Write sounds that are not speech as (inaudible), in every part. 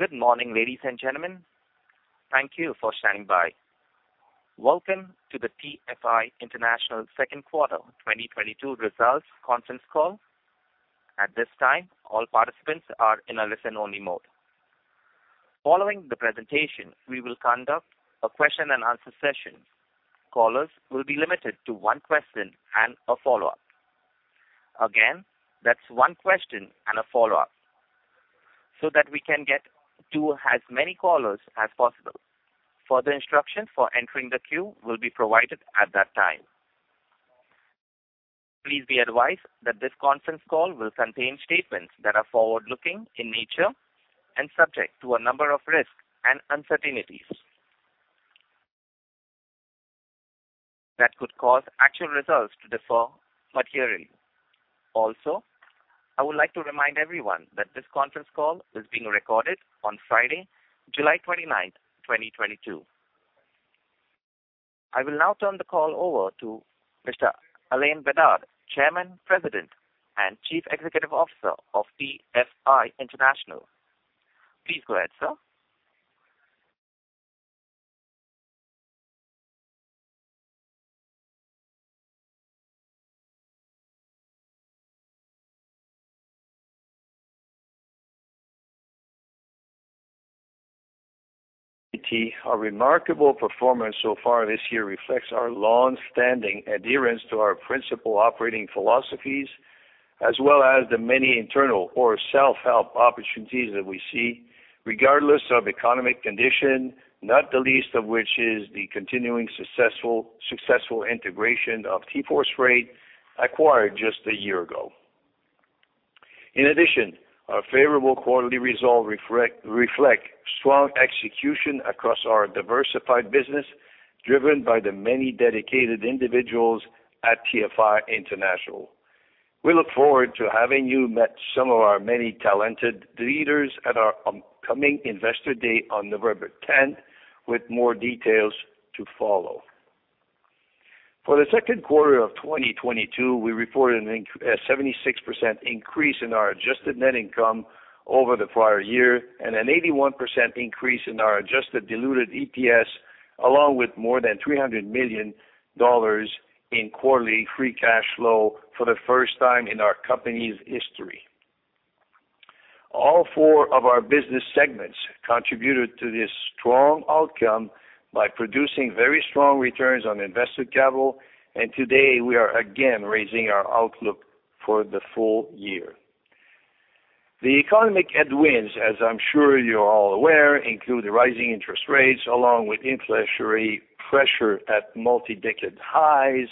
Good morning, ladies and gentlemen. Thank you for standing by. Welcome to the TFI International second quarter 2022 results conference call. At this time, all participants are in a listen-only mode. Following the presentation, we will conduct a question-and-answer session. Callers will be limited to one question and a follow-up. Again, that's one question and a follow-up so that we can get to as many callers as possible. Further instructions for entering the queue will be provided at that time. Please be advised that this conference call will contain statements that are forward-looking in nature and subject to a number of risks and uncertainties that could cause actual results to differ materially. Also, I would like to remind everyone that this conference call is being recorded on Friday, July 29, 2022. I will now turn the call over to Mr. Alain Bédard, Chairman, President, and Chief Executive Officer of TFI International. Please go ahead, sir. (audio distortion) Our remarkable performance so far this year reflects our long-standing adherence to our principal operating philosophies as well as the many internal or self-help opportunities that we see regardless of economic condition, not the least of which is the continuing successful integration of TForce Freight acquired just a year ago. In addition, our favorable quarterly results reflect strong execution across our diversified business, driven by the many dedicated individuals at TFI International. We look forward to having you meet some of our many talented leaders at our upcoming Investor Day on November 10, with more details to follow. For the second quarter of 2022, we reported a 76% increase in our adjusted net income over the prior year and an 81% increase in our adjusted diluted EPS, along with more than $300 million in quarterly free cash flow for the first time in our company's history. All four of our business segments contributed to this strong outcome by producing very strong returns on invested capital, and today we are again raising our outlook for the full year. The economic headwinds, as I'm sure you're all aware, include rising interest rates along with inflationary pressure at multi-decade highs,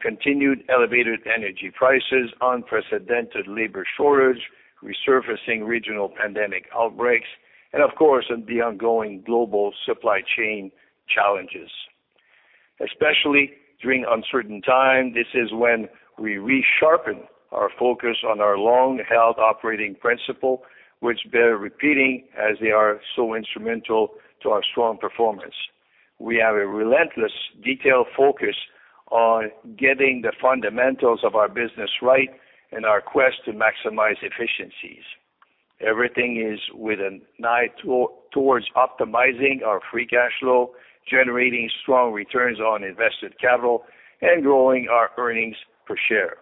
continued elevated energy prices, unprecedented labor shortage, resurfacing regional pandemic outbreaks, and of course, the ongoing global supply chain challenges. Especially during uncertain times, this is when we resharpen our focus on our long-held operating principle, which bear repeating as they are so instrumental to our strong performance. We have a relentless detailed focus on getting the fundamentals of our business right in our quest to maximize efficiencies. Everything is with an eye toward optimizing our free cash flow, generating strong returns on invested capital, and growing our earnings per share.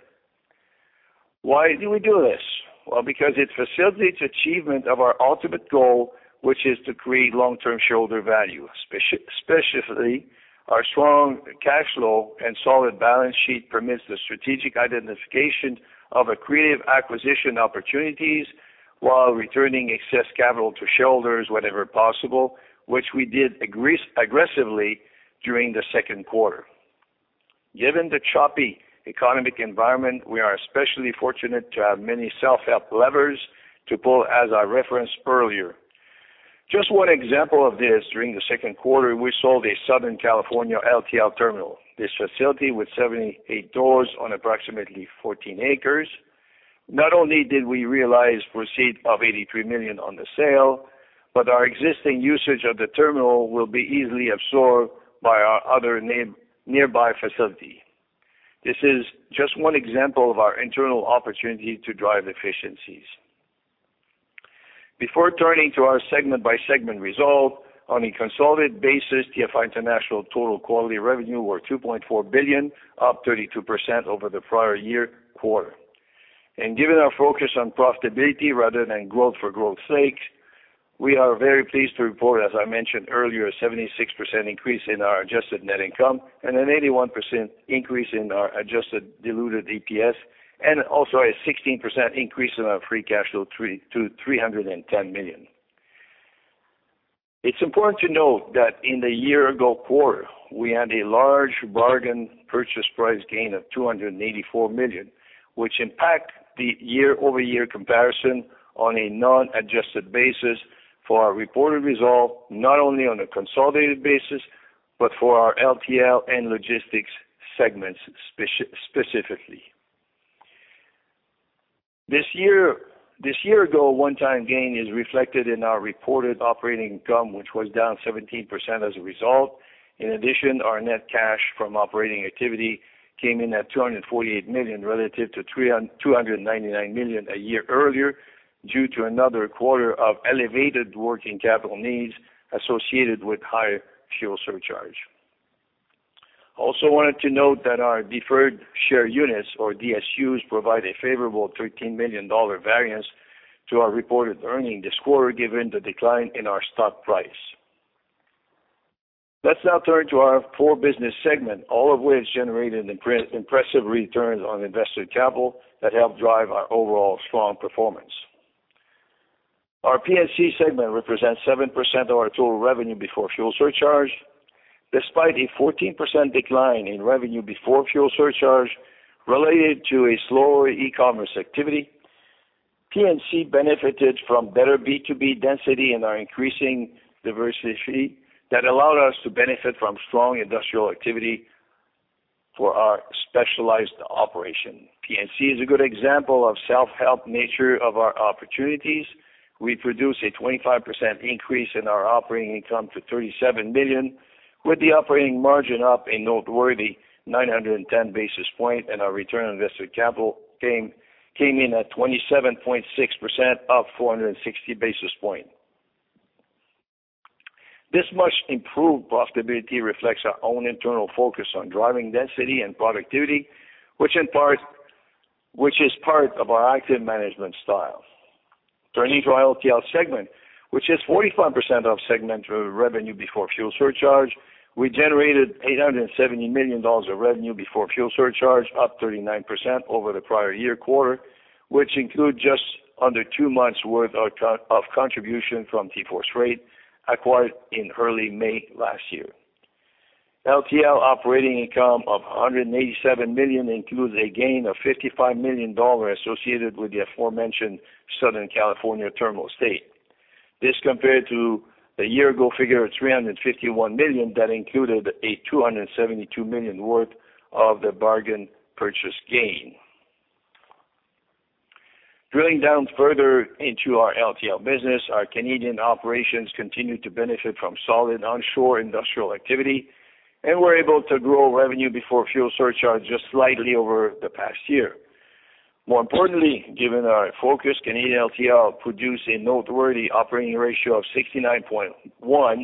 Why do we do this? Well, because it facilitates achievement of our ultimate goal, which is to create long-term shareholder value. Especially our strong cash flow and solid balance sheet permits the strategic identification of accretive acquisition opportunities while returning excess capital to shareholders whenever possible, which we did aggressively during the second quarter. Given the choppy economic environment, we are especially fortunate to have many self-help levers to pull, as I referenced earlier. Just one example of this, during the second quarter, we sold a Southern California LTL terminal. This facility with 78 doors on approximately 14 acres, not only did we realize proceeds of $83 million on the sale, but our existing usage of the terminal will be easily absorbed by our other nearby facility. This is just one example of our internal opportunity to drive efficiencies. Before turning to our segment by segment results on a consolidated basis, TFI International total quarterly revenue were $2.4 billion, up 32% over the prior year quarter. Given our focus on profitability rather than growth for growth sake, we are very pleased to report, as I mentioned earlier, a 76% increase in our adjusted net income and an 81% increase in our adjusted diluted EPS and also a 16% increase in our free cash flow to $310 million. It's important to note that in the year ago quarter, we had a large bargain purchase price gain of $284 million, which impact the year-over-year comparison on a non-adjusted basis for our reported results, not only on a consolidated basis, but for our LTL and logistics segments specifically. This year ago one-time gain is reflected in our reported operating income, which was down 17% as a result. In addition, our net cash from operating activity came in at $248 million relative to $299 million a year earlier due to another quarter of elevated working capital needs associated with higher fuel surcharge. I also wanted to note that our deferred share units or DSUs provide a favorable $13 million variance to our reported earnings this quarter, given the decline in our stock price. Let's now turn to our core business segment, all of which generated an impressive returns on invested capital that helped drive our overall strong performance. Our P&C segment represents 7% of our total revenue before fuel surcharge. Despite a 14% decline in revenue before fuel surcharge related to a slower e-commerce activity, P&C benefited from better B2B density and our increasing diversity that allowed us to benefit from strong industrial activity for our specialized operation. P&C is a good example of self-help nature of our opportunities. We produce a 25% increase in our operating income to $37 million, with the operating margin up a noteworthy 910 basis points and our return on invested capital came in at 27.6%, up 460 basis points. This much improved profitability reflects our own internal focus on driving density and productivity, which in part is part of our active management style. Turning to our LTL segment, which is 45% of segment revenue before fuel surcharge, we generated $870 million of revenue before fuel surcharge, up 39% over the prior year quarter, which include just under two months worth of contribution from TForce Freight acquired in early May last year. LTL operating income of $187 million includes a gain of $55 million associated with the aforementioned Southern California terminal estate. This compared to the year ago figure of $351 million that included a $272 million worth of the bargain purchase gain. Drilling down further into our LTL business, our Canadian operations continued to benefit from solid onshore industrial activity, and we're able to grow revenue before fuel surcharge just slightly over the past year. More importantly, given our focus, Canadian LTL produced a noteworthy operating ratio of 69.1,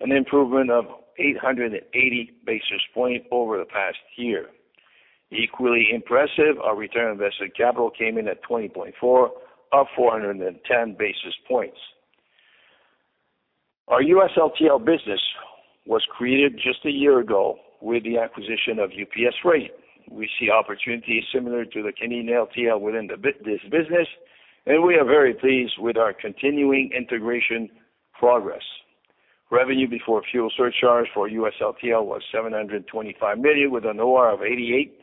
an improvement of 880 basis points over the past year. Equally impressive, our return on invested capital came in at 20.4, up 410 basis points. Our U.S. LTL business was created just a year ago with the acquisition of UPS Freight. We see opportunities similar to the Canadian LTL within the U.S. business, and we are very pleased with our continuing integration progress. Revenue before fuel surcharge for U.S. LTL was $725 million with an OR of 88,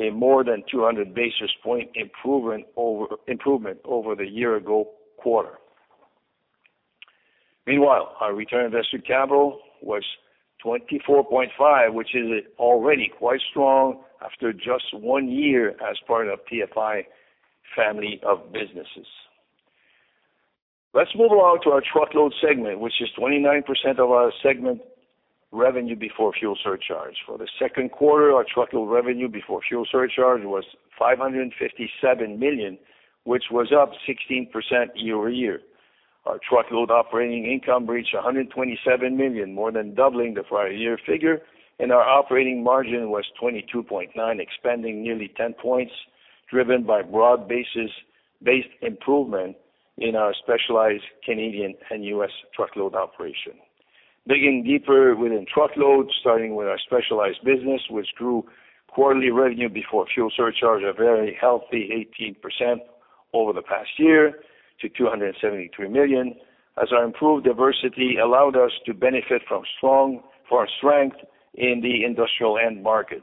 a more than 200 basis point improvement over the year-ago quarter. Meanwhile, our return on invested capital was 24.5, which is already quite strong after just one year as part of TFI family of businesses. Let's move along to our truckload segment, which is 29% of our segment revenue before fuel surcharge. For the second quarter, our truckload revenue before fuel surcharge was $557 million, which was up 16% year-over-year. Our truckload operating income reached $127 million, more than doubling the prior year figure, and our operating margin was 22.9%, expanding nearly 10 points, driven by broad-based improvement in our specialized Canadian and U.S. truckload operation. Digging deeper within truckload, starting with our specialized business, which grew quarterly revenue before fuel surcharge a very healthy 18% over the past year to $273 million as our improved diversity allowed us to benefit from strong for our strength in the industrial end market.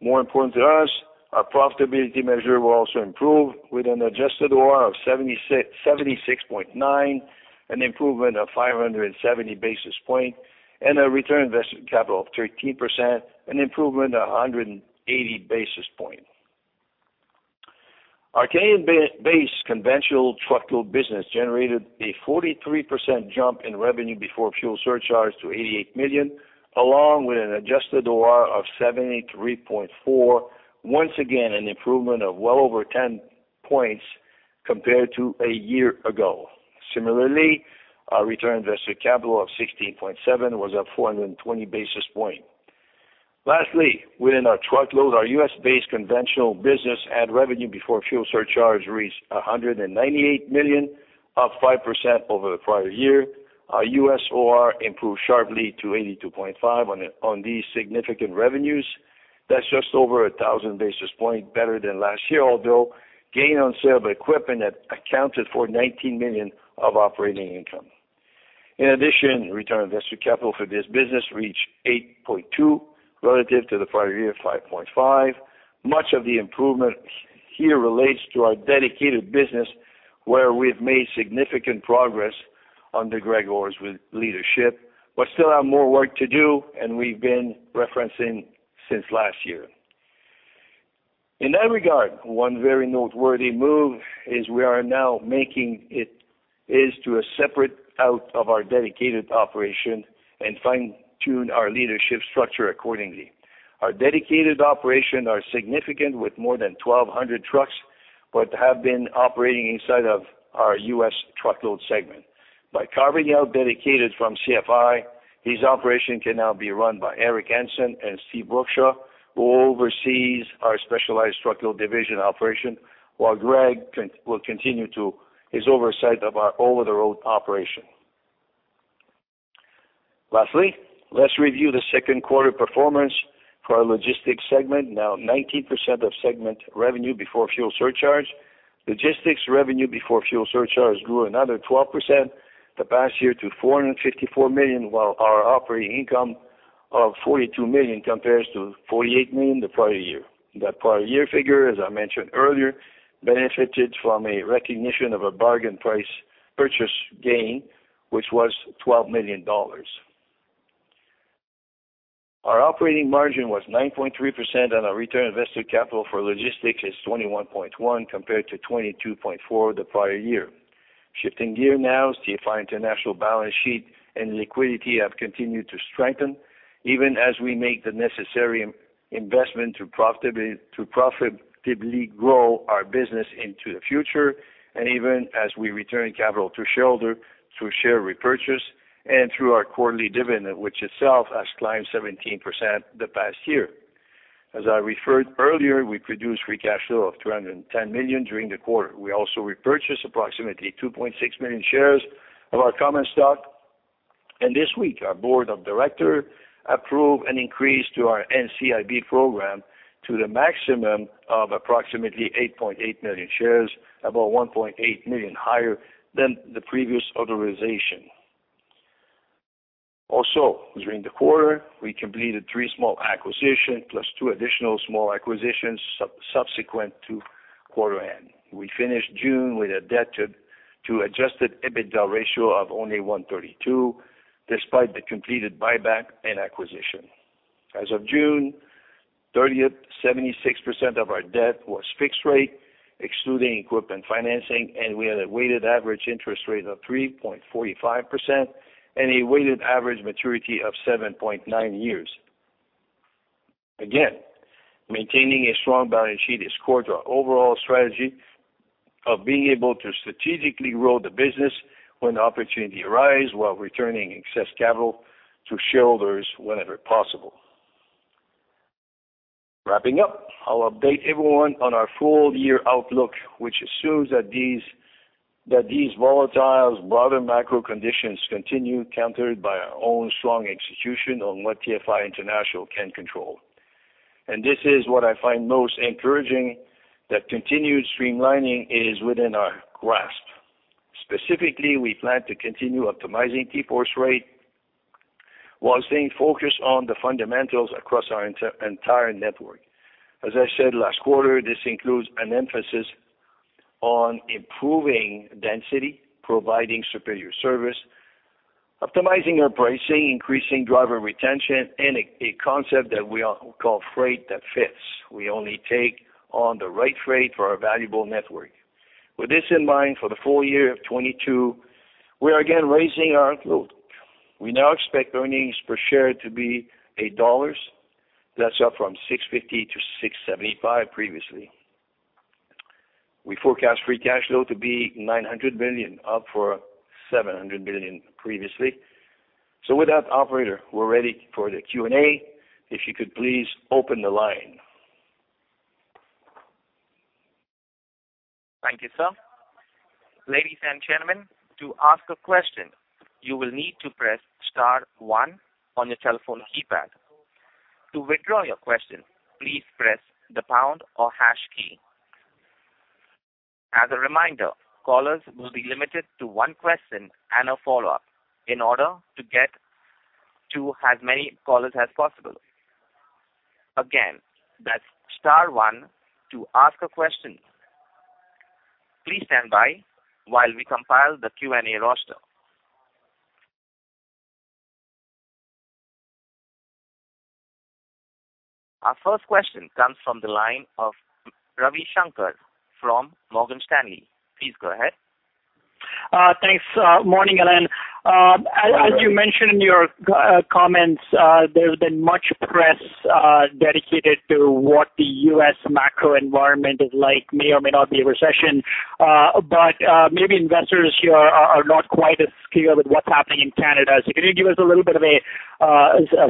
More important to us, our profitability measure will also improve with an adjusted OR of 76.9, an improvement of 570 basis point and a return on invested capital of 13%, an improvement of 180 basis point. Our Canadian based conventional truckload business generated a 43% jump in revenue before fuel surcharge to $88 million, along with an adjusted OR of 73.4. Once again, an improvement of well over 10 points compared to a year ago. Similarly, our return on invested capital of 16.7 was up 420 basis points. Lastly, within our truckload, our U.S.-based conventional business and revenue before fuel surcharge reached $198 million, up 5% over the prior year. Our U.S. OR improved sharply to 82.5 on these significant revenues. That's just over 1,000 basis points better than last year, although gain on sale of equipment that accounted for $19 million of operating income. In addition, return on invested capital for this business reached 8.2 relative to the prior year, 5.5. Much of the improvement here relates to our dedicated business, where we've made significant progress under Greg Orr's leadership, but still have more work to do, and we've been referencing since last year. In that regard, one very noteworthy move is to separate out our dedicated operation and fine-tune our leadership structure accordingly. Our dedicated operation are significant with more than 1,200 trucks, but have been operating inside of our U.S. Truckload segment. By carving out dedicated from CFI, this operation can now be run by Eric Hanson and Steven Brookshaw, who oversees our specialized truckload division operation, while Greg will continue his oversight of our over-the-road operation. Lastly, let's review the second quarter performance for our Logistics segment, now 19% of segment revenue before fuel surcharge. Logistics revenue before fuel surcharge grew another 12% the past year to $454 million, while our operating income of $42 million compares to $48 million the prior year. That prior year figure, as I mentioned earlier, benefited from a recognition of a bargain price purchase gain, which was $12 million. Our operating margin was 9.3% and our return on invested capital for Logistics is 21.1% compared to 22.4% the prior year. Shifting gear now, TFI International balance sheet and liquidity have continued to strengthen, even as we make the necessary investment to profitably grow our business into the future. Even as we return capital to shareholder through share repurchase and through our quarterly dividend, which itself has climbed 17% the past year. As I referred earlier, we produced free cash flow of $210 million during the quarter. We also repurchased approximately 2.6 million shares of our common stock. This week, our board of directors approved an increase to our NCIB program to the maximum of approximately 8.8 million shares, about 1.8 million higher than the previous authorization. Also, during the quarter, we completed three small acquisitions plus two additional small acquisitions subsequent to quarter end. We finished June with a debt-to-adjusted EBITDA ratio of only 1.32, despite the completed buyback and acquisition. As of June 30th, 76% of our debt was fixed rate, excluding equipment financing, and we had a weighted average interest rate of 3.45% and a weighted average maturity of 7.9 years. Again, maintaining a strong balance sheet is core to our overall strategy of being able to strategically grow the business when the opportunity arise while returning excess capital to shareholders whenever possible. Wrapping up, I'll update everyone on our full year outlook, which assumes that volatile broader macro conditions continue, countered by our own strong execution on what TFI International can control. This is what I find most encouraging, that continued streamlining is within our grasp. Specifically, we plan to continue optimizing key freight rate while staying focused on the fundamentals across our entire network. As I said last quarter, this includes an emphasis on improving density, providing superior service, optimizing our pricing, increasing driver retention, and a concept that we all call freight that fits. We only take on the right freight for our valuable network. With this in mind, for the full year of 2022, we are again raising our outlook. We now expect earnings per share to be $8. That's up from $6.50–$6.75 previously. We forecast free cash flow to be $900 million, up from $700 million previously. With that, operator, we're ready for the Q&A. If you could please open the line. Thank you, sir. Ladies and gentlemen, to ask a question, you will need to press star one on your telephone keypad. To withdraw your question, please press the pound or hash key. As a reminder, callers will be limited to one question and a follow-up in order to get to as many callers as possible. Again, that's star one to ask a question. Please stand by while we compile the Q&A roster. Our first question comes from the line of Ravi Shanker from Morgan Stanley. Please go ahead. Thanks. Morning, Alain. Good morning. As you mentioned in your comments, there's been much press dedicated to what the U.S. macro environment is like, may or may not be a recession. Maybe investors here are not quite as clear with what's happening in Canada. Can you give us a little bit of a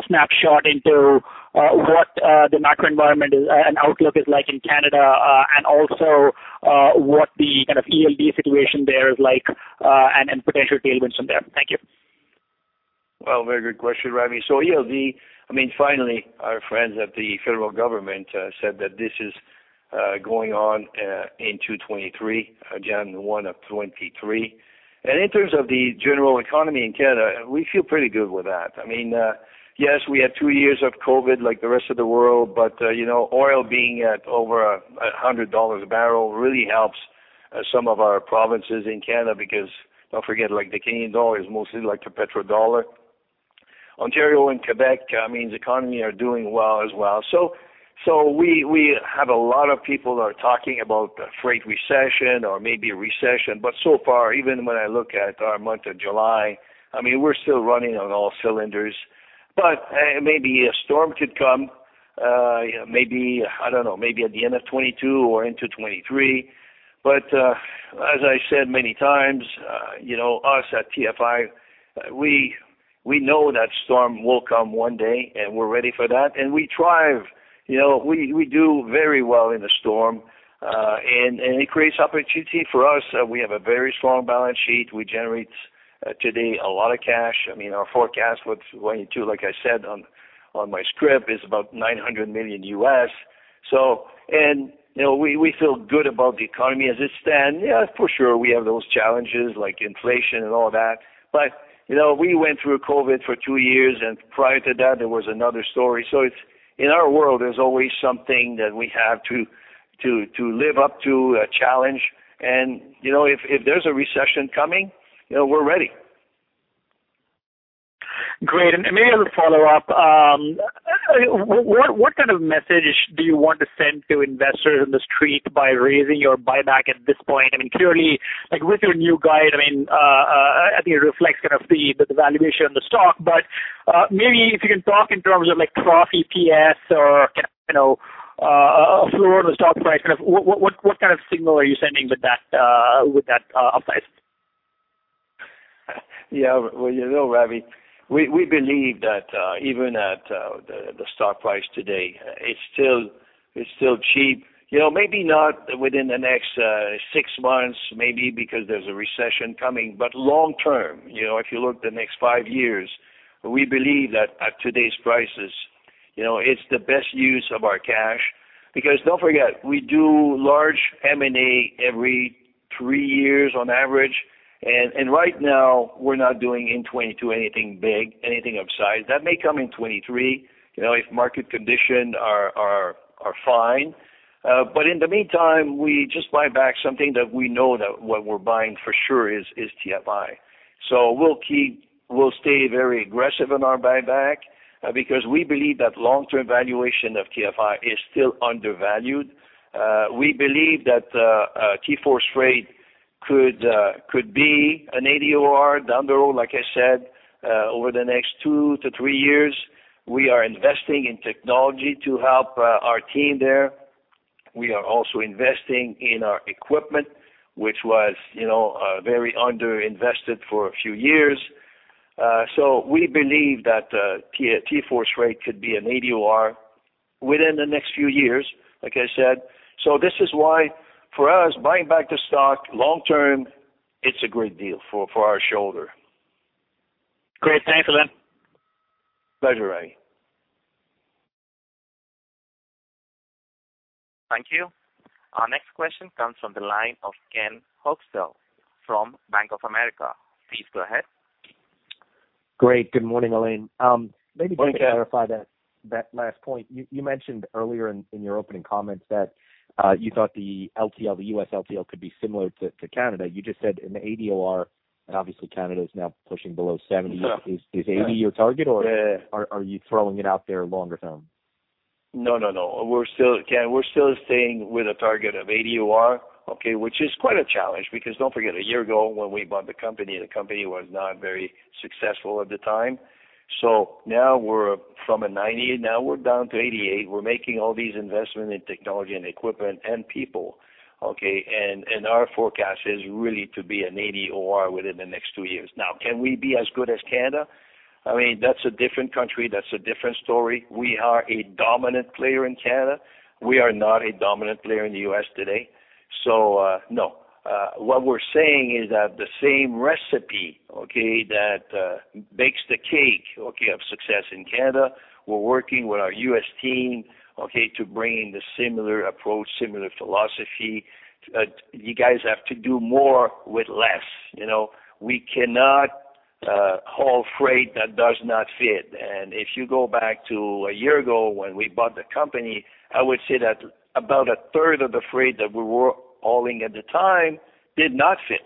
snapshot into what the macro environment is and outlook is like in Canada, and also what the kind of ELD situation there is like, and potential tailwinds from there? Thank you. Well, very good question, Ravi. So ELD, I mean, finally, our friends at the federal government said that this is going on in 2023, January 1, 2023. In terms of the general economy in Canada, we feel pretty good with that. I mean, yes, we had two years of COVID like the rest of the world, but you know, oil being at over $100 a barrel really helps some of our provinces in Canada because don't forget, like, the Canadian dollar is mostly like the petrol dollar. Ontario and Quebec, I mean, the economy are doing well as well. We have a lot of people are talking about the freight recession or maybe a recession. So far, even when I look at our month of July, I mean, we're still running on all cylinders. Maybe a storm could come, maybe, I don't know, maybe at the end of 2022 or into 2023. As I said many times, you know, us at TFI, we know that storm will come one day, and we're ready for that. We thrive. You know, we do very well in a storm, and it creates opportunity for us. We have a very strong balance sheet. We generate today a lot of cash. I mean, our forecast for 2022, like I said on my script, is about $900 million. So you know, we feel good about the economy as it stands. Yeah, for sure, we have those challenges like inflation and all that. You know, we went through COVID for two years, and prior to that, there was another story. It's in our world, there's always something that we have to live up to, a challenge. You know, if there's a recession coming, you know, we're ready. Great. Maybe I have a follow-up. What kind of message do you want to send to investors in the street by raising your buyback at this point? I mean, clearly, like, with your new guide, I mean, I think it reflects kind of the valuation of the stock. Maybe if you can talk in terms of like price EPS or kind of, you know, a floor on the stock price, kind of what kind of signal are you sending with that, with that upside? Yeah. Well, you know, Ravi, we believe that even at the stock price today, it's still cheap. You know, maybe not within the next six months, maybe because there's a recession coming. Long term, you know, if you look to the next five years, we believe that at today's prices, you know, it's the best use of our cash. Because don't forget, we do large M&A every three years on average. Right now we're not doing in 2022 anything big, anything of size. That may come in 2023, you know, if market conditions are fine. In the meantime, we just buy back something that we know that what we're buying for sure is TFI. We'll stay very aggressive in our buyback, because we believe that long-term valuation of TFI is still undervalued. We believe that TForce Freight could be an 80 OR down the road, like I said, over the next two to three years. We are investing in technology to help our team there. We are also investing in our equipment, which was, you know, very underinvested for a few years. We believe that TForce Freight could be an 80 OR within the next few years, like I said. This is why for us, buying back the stock long term, it's a great deal for our shareholder. Great. Thanks, Alain. Pleasure, Ravi. Thank you. Our next question comes from the line of Ken Hoexter from Bank of America. Please go ahead. Great. Good morning, Alain. Morning, Ken. Just to clarify that last point. You mentioned earlier in your opening comments that you thought the LTL, the U.S. LTL could be similar to Canada. You just said an 80% OR, and obviously Canada is now pushing below 70%. Yeah. Is 80 your target or... Yeah. are you throwing it out there longer term? No. We're still, Ken, we're still staying with a target of 80% OR, okay? Which is quite a challenge because don't forget, a year ago when we bought the company, the company was not very successful at the time. Now we're from a 90%, now we're down to 88%. We're making all these investment in technology and equipment and people, okay? Our forecast is really to be an 80% OR within the next two years. Now, can we be as good as Canada? I mean, that's a different country. That's a different story. We are a dominant player in Canada. We are not a dominant player in the U.S. today. No. What we're saying is that the same recipe, okay, that bakes the cake, okay, of success in Canada, we're working with our U.S. team, okay, to bring the similar approach, similar philosophy. You guys have to do more with less, you know? We cannot haul freight that does not fit. If you go back to one year ago when we bought the company, I would say that about a third of the freight that we were hauling at the time did not fit,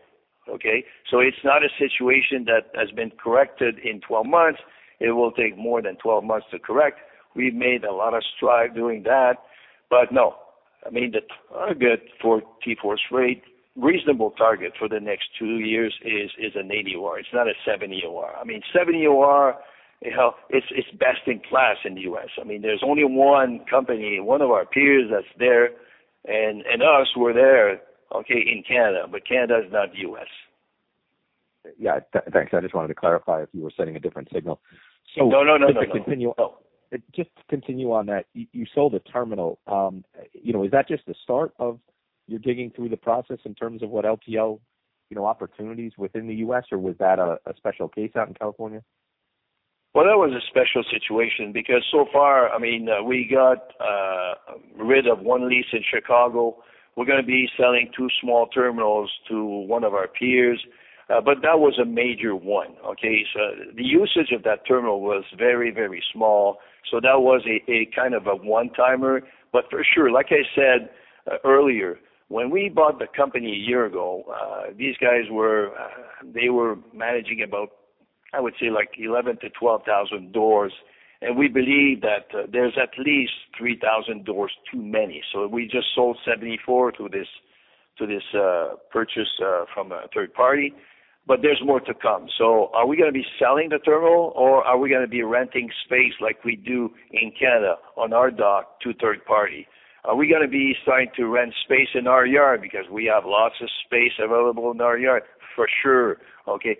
okay? It's not a situation that has been corrected in 12 months. It will take more than 12 months to correct. We've made a lot of stride doing that, but no. I mean, the target for TForce Freight, reasonable target for the next two years is an 80% OR. It's not a 70% OR. I mean, 70% OR, you know, it's best in class in the U.S. I mean, there's only one company, one of our peers that's there, and us, we're there, okay, in Canada, but Canada is not U.S. Yeah. Thanks. I just wanted to clarify if you were sending a different signal. No. Just to continue on that. You sold a terminal. You know, is that just the start of your digging through the process in terms of what LTL, you know, opportunities within the U.S., or was that a special case out in California? Well, that was a special situation because so far, I mean, we got rid of one lease in Chicago. We're gonna be selling two small terminals to one of our peers. That was a major one, okay? The usage of that terminal was very, very small, so that was a kind of one-timer. For sure, like I said earlier, when we bought the company a year ago, these guys were managing about, I would say like 11,000-12,000 doors. We believe that there's at least 3,000 doors too many. We just sold 74 to this purchaser from a third party, but there's more to come. Are we gonna be selling the terminal or are we gonna be renting space like we do in Canada on our dock to third party? Are we gonna be starting to rent space in our yard because we have lots of space available in our yard? For sure. Okay.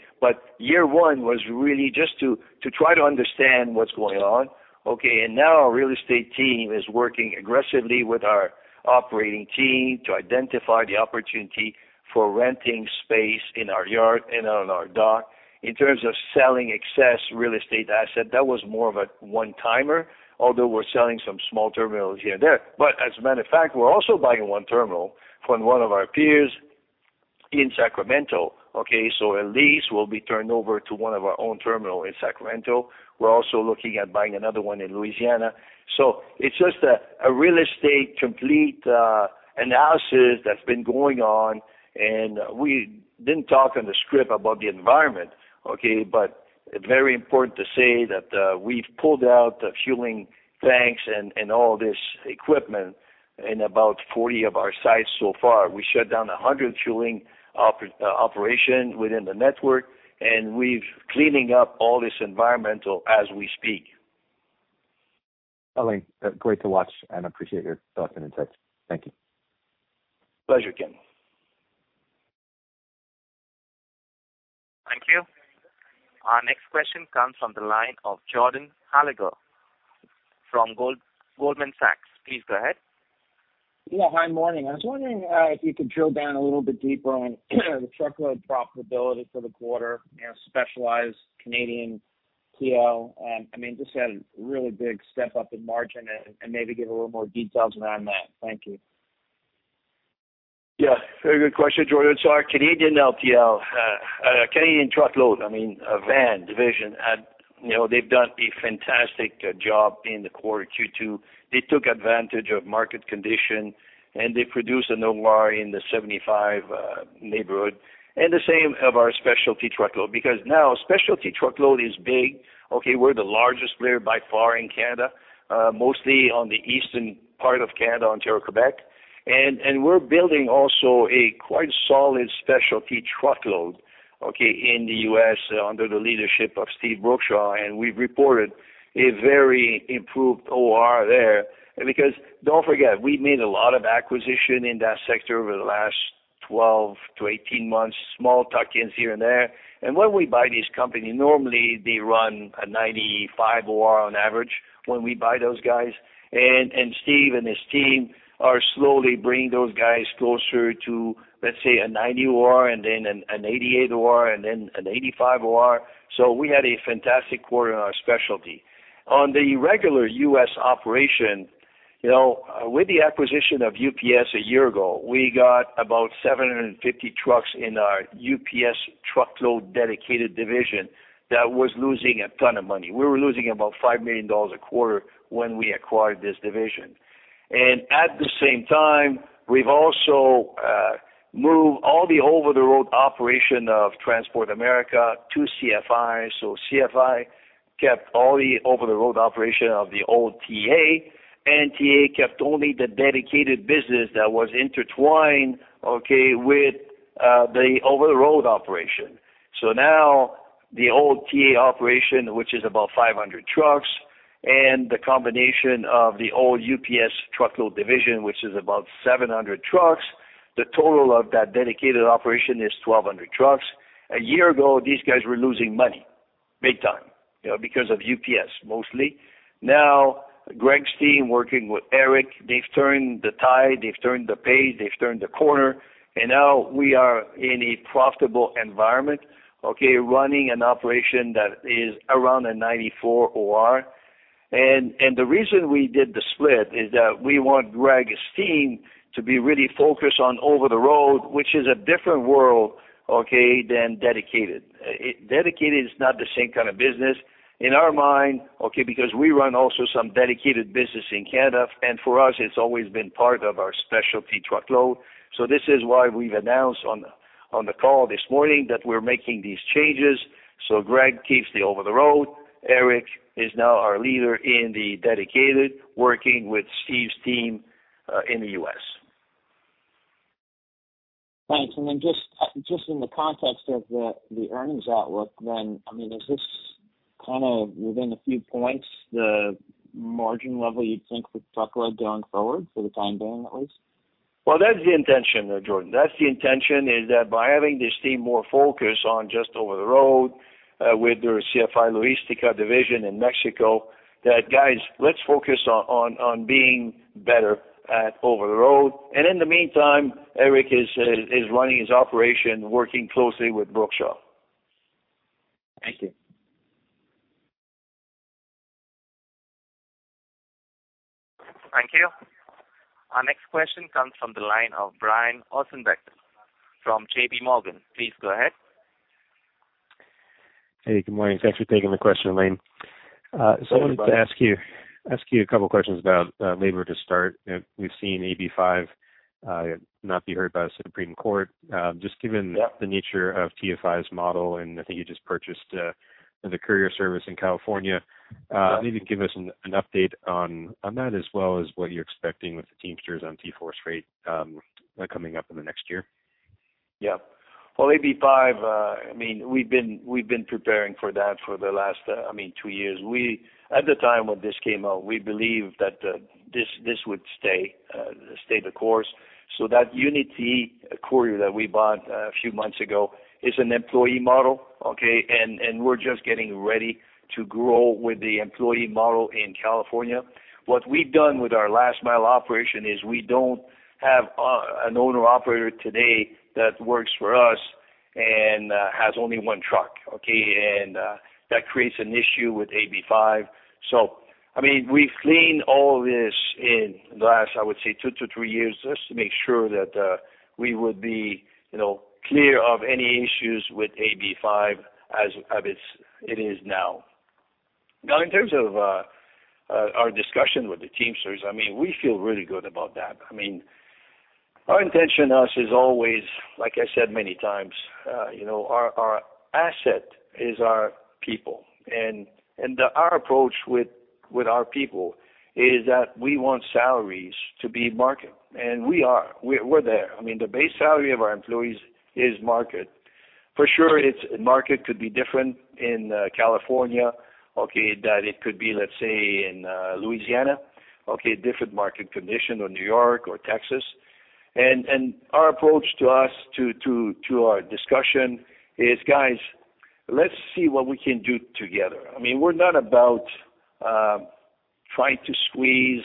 Year one was really just to try to understand what's going on. Okay. Now our real estate team is working aggressively with our operating team to identify the opportunity for renting space in our yard and on our dock. In terms of selling excess real estate asset, that was more of a one-timer, although we're selling some small terminals here and there. As a matter of fact, we're also buying one terminal from one of our peers in Sacramento. Okay, so a lease will be turned over to one of our own terminal in Sacramento. We're also looking at buying another one in Louisiana. It's just a real estate complete analysis that's been going on, and we didn't talk on the script about the environment, okay. Very important to say that we've pulled out the fueling banks and all this equipment in about 40 of our sites so far. We shut down 100 fueling operation within the network, and we're cleaning up all this environmental as we speak. Alain, great to watch, and appreciate your thoughts and insights. Thank you. Pleasure, Ken. Thank you. Our next question comes from the line of Jordan Alliger from Goldman Sachs. Please go ahead. Yeah. Hi. Morning. I was wondering if you could drill down a little bit deeper on the truckload profitability for the quarter, you know, specialized Canadian TL. I mean, just had a really big step up in margin and maybe give a little more details around that? Thank you. Yeah, very good question, Jordan. Our Canadian truckload, I mean, van division, you know, they've done a fantastic job in the quarter Q2. They took advantage of market conditions, and they produced an OR in the 75% neighborhood, and the same for our specialty truckload. Because now specialty truckload is big. Okay, we're the largest player by far in Canada, mostly on the eastern part of Canada, Ontario, Quebec. We're building also a quite solid specialty truckload, okay, in the U.S. under the leadership of Steve Brookshaw. We've reported a very improved OR there. Because don't forget, we made a lot of acquisitions in that sector over the last 12-18 months, small tuck-ins here and there. When we buy these companies, normally they run a 95% OR on average when we buy those guys. Steve and his team are slowly bringing those guys closer to, let's say, a 90% OR and then an 88% OR and then an 85% OR. We had a fantastic quarter on our specialty. On the regular U.S. operation, you know, with the acquisition of UPS a year ago, we got about 750 trucks in our UPS truckload dedicated division that was losing a ton of money. We were losing about $5 million a quarter when we acquired this division. At the same time, we've also moved all the over-the-road operation of Transport America to CFI. CFI kept all the over-the-road operation of the old TA, and TA kept only the dedicated business that was intertwined, okay, with the over-the-road operation. Now the old TA operation, which is about 500 trucks, and the combination of the old UPS truckload division, which is about 700 trucks, the total of that dedicated operation is 1,200 trucks. A year ago, these guys were losing money big time, you know, because of UPS mostly. Now, Greg's team, working with Eric, they've turned the tide, they've turned the page, they've turned the corner, and now we are in a profitable environment, okay, running an operation that is around a 94% OR. The reason we did the split is that we want Greg's team to be really focused on over-the-road, which is a different world, okay, than dedicated. Dedicated is not the same kind of business. In our mind, okay, because we run also some dedicated business in Canada, and for us, it's always been part of our specialty truckload. This is why we've announced on the call this morning that we're making these changes. Greg keeps the over-the-road. Eric is now our leader in the dedicated, working with Steve's team, in the U.S. Thanks. Just in the context of the earnings outlook then, I mean, is this kind of within a few points the margin level you'd think for truckload going forward for the time being at least? Well, that's the intention there, Jordan. That's the intention, is that by having this team more focused on just over-the-road with their CFI Logistica division in Mexico, that guys, let's focus on being better at over-the-road. In the meantime, Eric is running his operation, working closely with Brookshaw. Thank you. Thank you. Our next question comes from the line of Brian Ossenbeck from JPMorgan. Please go ahead. Hey, good morning. Thanks for taking the question, Alain. Hey, Brian. I wanted to ask you a couple questions about labor to start. You know, we've seen AB5 not be heard by the Supreme Court. Just given... Yeah. the nature of TFI's model, and I think you just purchased the courier service in California. Yeah. Maybe give us an update on that as well as what you're expecting with the Teamsters on TForce Freight coming up in the next year? Yeah. Well, AB5, I mean, we've been preparing for that for the last, I mean, two years. At the time when this came out, we believed that this would stay the course. That Unity Courier that we bought a few months ago is an employee model, okay? We're just getting ready to grow with the employee model in California. What we've done with our last mile operation is we don't have an owner-operator today that works for us and has only one truck, okay? That creates an issue with AB5. I mean, we've cleaned all this in the last, I would say two to three years, just to make sure that we would be, you know, clear of any issues with AB5 as of it is now. Now, in terms of our discussion with the Teamsters, I mean, we feel really good about that. I mean, our intention to us is always, like I said many times, you know, our asset is our people. Our approach with our people is that we want salaries to be market. We are. We're there. I mean, the base salary of our employees is market. For sure, it's market could be different in California, okay, than it could be, let's say, in Louisiana, okay, different market condition or New York or Texas. Our approach to us to our discussion is, guys, let's see what we can do together. I mean, we're not about trying to squeeze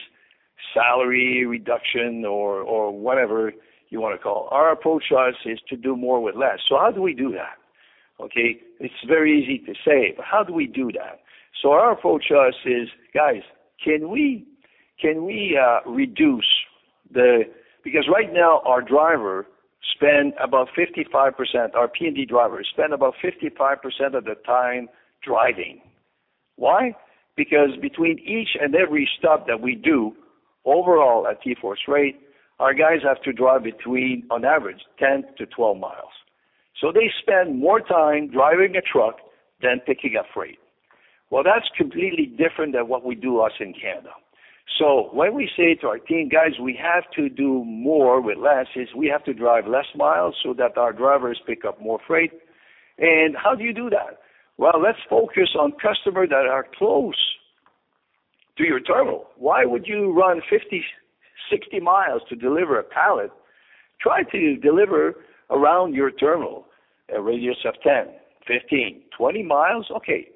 salary reduction or whatever you wanna call. Our approach to us is to do more with less. How do we do that? Okay, it's very easy to say, but how do we do that? Our approach to us is, guys, can we reduce the. Because right now, our driver spend about 55%, our P&D drivers spend about 55% of their time driving. Why? Because between each and every stop that we do overall at TForce Freight, our guys have to drive between, on average, 10-12 miles. They spend more time driving a truck than picking up freight. Well, that's completely different than what we do with us in Canada. When we say to our team, "Guys, we have to do more with less," is we have to drive less miles so that our drivers pick up more freight. How do you do that? Well, let's focus on customers that are close to your terminal. Why would you run 50, 60 miles to deliver a pallet? Try to deliver around your terminal, a radius of 10, 15, 20 miles, okay.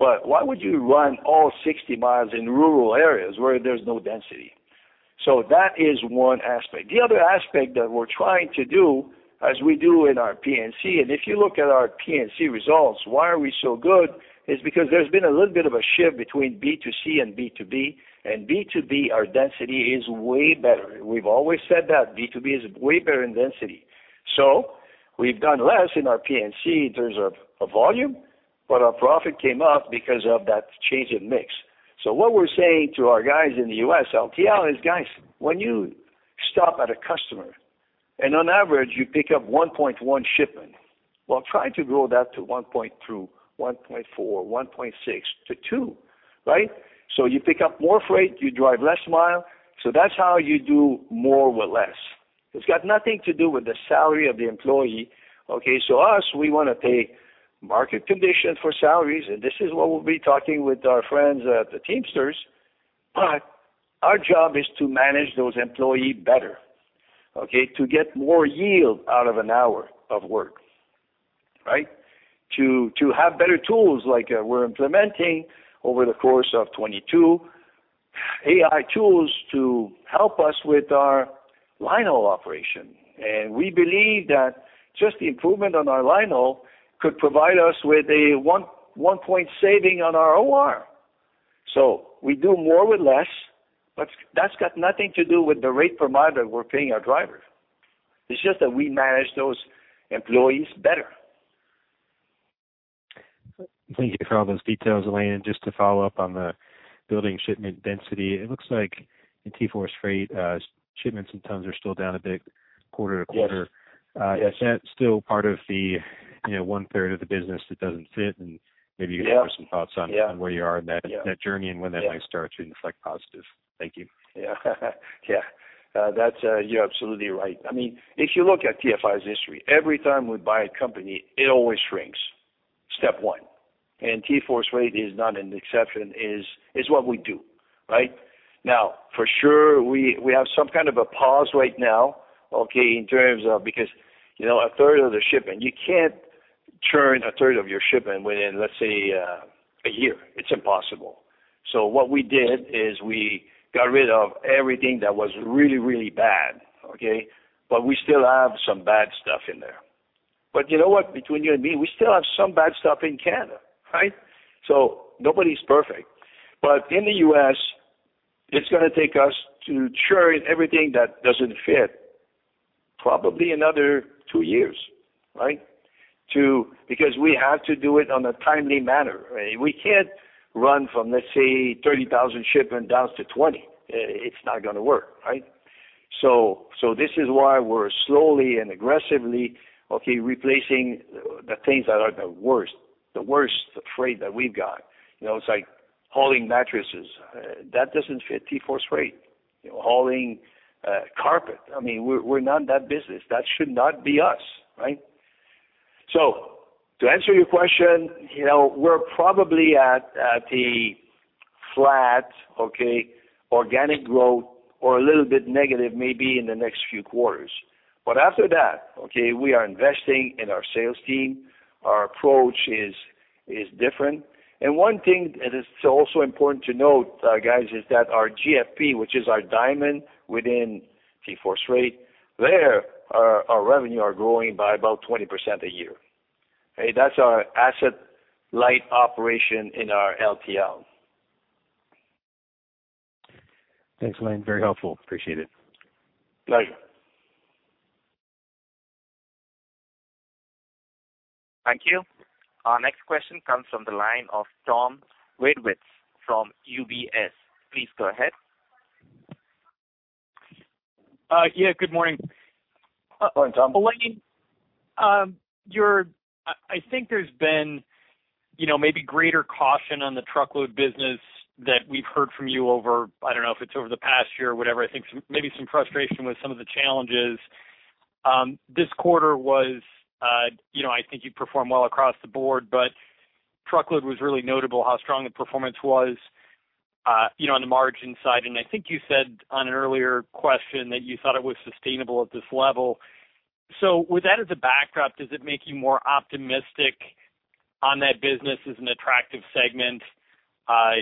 Why would you run all 60 miles in rural areas where there's no density? That is one aspect. The other aspect that we're trying to do, as we do in our P&C, and if you look at our P&C results, why are we so good, is because there's been a little bit of a shift between B2C and B2B. B2B, our density is way better. We've always said that B2B is way better in density. We've done less in our P&C in terms of volume, but our profit came up because of that change in mix. What we're saying to our guys in the US, LTL, is, "Guys, when you stop at a customer and on average you pick up 1.1 shipment, well, try to grow that to 1.2, 1.4, 1.6 to 2, right? You pick up more freight, you drive less mile. That's how you do more with less." It's got nothing to do with the salary of the employee, okay? Us, we wanna take market condition for salaries, and this is what we'll be talking with our friends at the Teamsters. Our job is to manage those employee better, okay? To get more yield out of an hour of work, right? To have better tools like, we're implementing over the course of 22 AI tools to help us with our linehaul operation. We believe that just the improvement on our linehaul could provide us with a one point saving on our OR. We do more with less, but that's got nothing to do with the rate per mile that we're paying our drivers. It's just that we manage those employees better. Thank you for all those details, Alain. Just to follow up on the building shipment density, it looks like in TForce Freight, shipments and tons are still down a bit quarter to quarter. Yes. Yes. Is that still part of the, you know, 1/3 of the business that doesn't fit? Yeah. You can offer some thoughts on... Yeah. where you are in that journey and when that might start to reflect positive. Thank you. Yeah, that's, you're absolutely right. I mean, if you look at TFI's history, every time we buy a company, it always shrinks, step one. TForce Freight is not an exception. It is, it's what we do, right? Now, for sure, we have some kind of a pause right now, okay, in terms of because you know, 1/3 of the shipping, you can't turn 1/3 of your shipping within, let's say, a year. It's impossible. So what we did is we got rid of everything that was really, really bad, okay? But we still have some bad stuff in there. But you know what? Between you and me, we still have some bad stuff in Canada, right? So nobody's perfect. But in the U.S., it's gonna take us to churn everything that doesn't fit probably another two years, right? Because we have to do it on a timely manner. We can't run from, let's say, 30,000 shipment down to 20. It's not gonna work, right? This is why we're slowly and aggressively replacing the things that are the worst, the worst freight that we've got. You know, it's like hauling mattresses. That doesn't fit TForce Freight. Hauling carpet. I mean, we're not in that business. That should not be us, right? To answer your question, you know, we're probably at a flat organic growth or a little bit negative maybe in the next few quarters. After that, we are investing in our sales team. Our approach is different. One thing that is also important to note, guys, is that our GFP, which is our diamond within TForce Freight, our revenue are growing by about 20% a year. Okay. That's our asset light operation in our LTL. Thanks, Alain. Very helpful. Appreciate it. Pleasure. Thank you. Our next question comes from the line of Tom Wadewitz from UBS. Please go ahead. Yeah, good morning. Good morning, Tom. Alain, I think there's been, you know, maybe greater caution on the truckload business that we've heard from you over, I don't know if it's over the past year or whatever. I think maybe some frustration with some of the challenges. This quarter was, you know, I think you performed well across the board, but truckload was really notable how strong the performance was, you know, on the margin side. I think you said on an earlier question that you thought it was sustainable at this level. With that as a backdrop, does it make you more optimistic on that business as an attractive segment?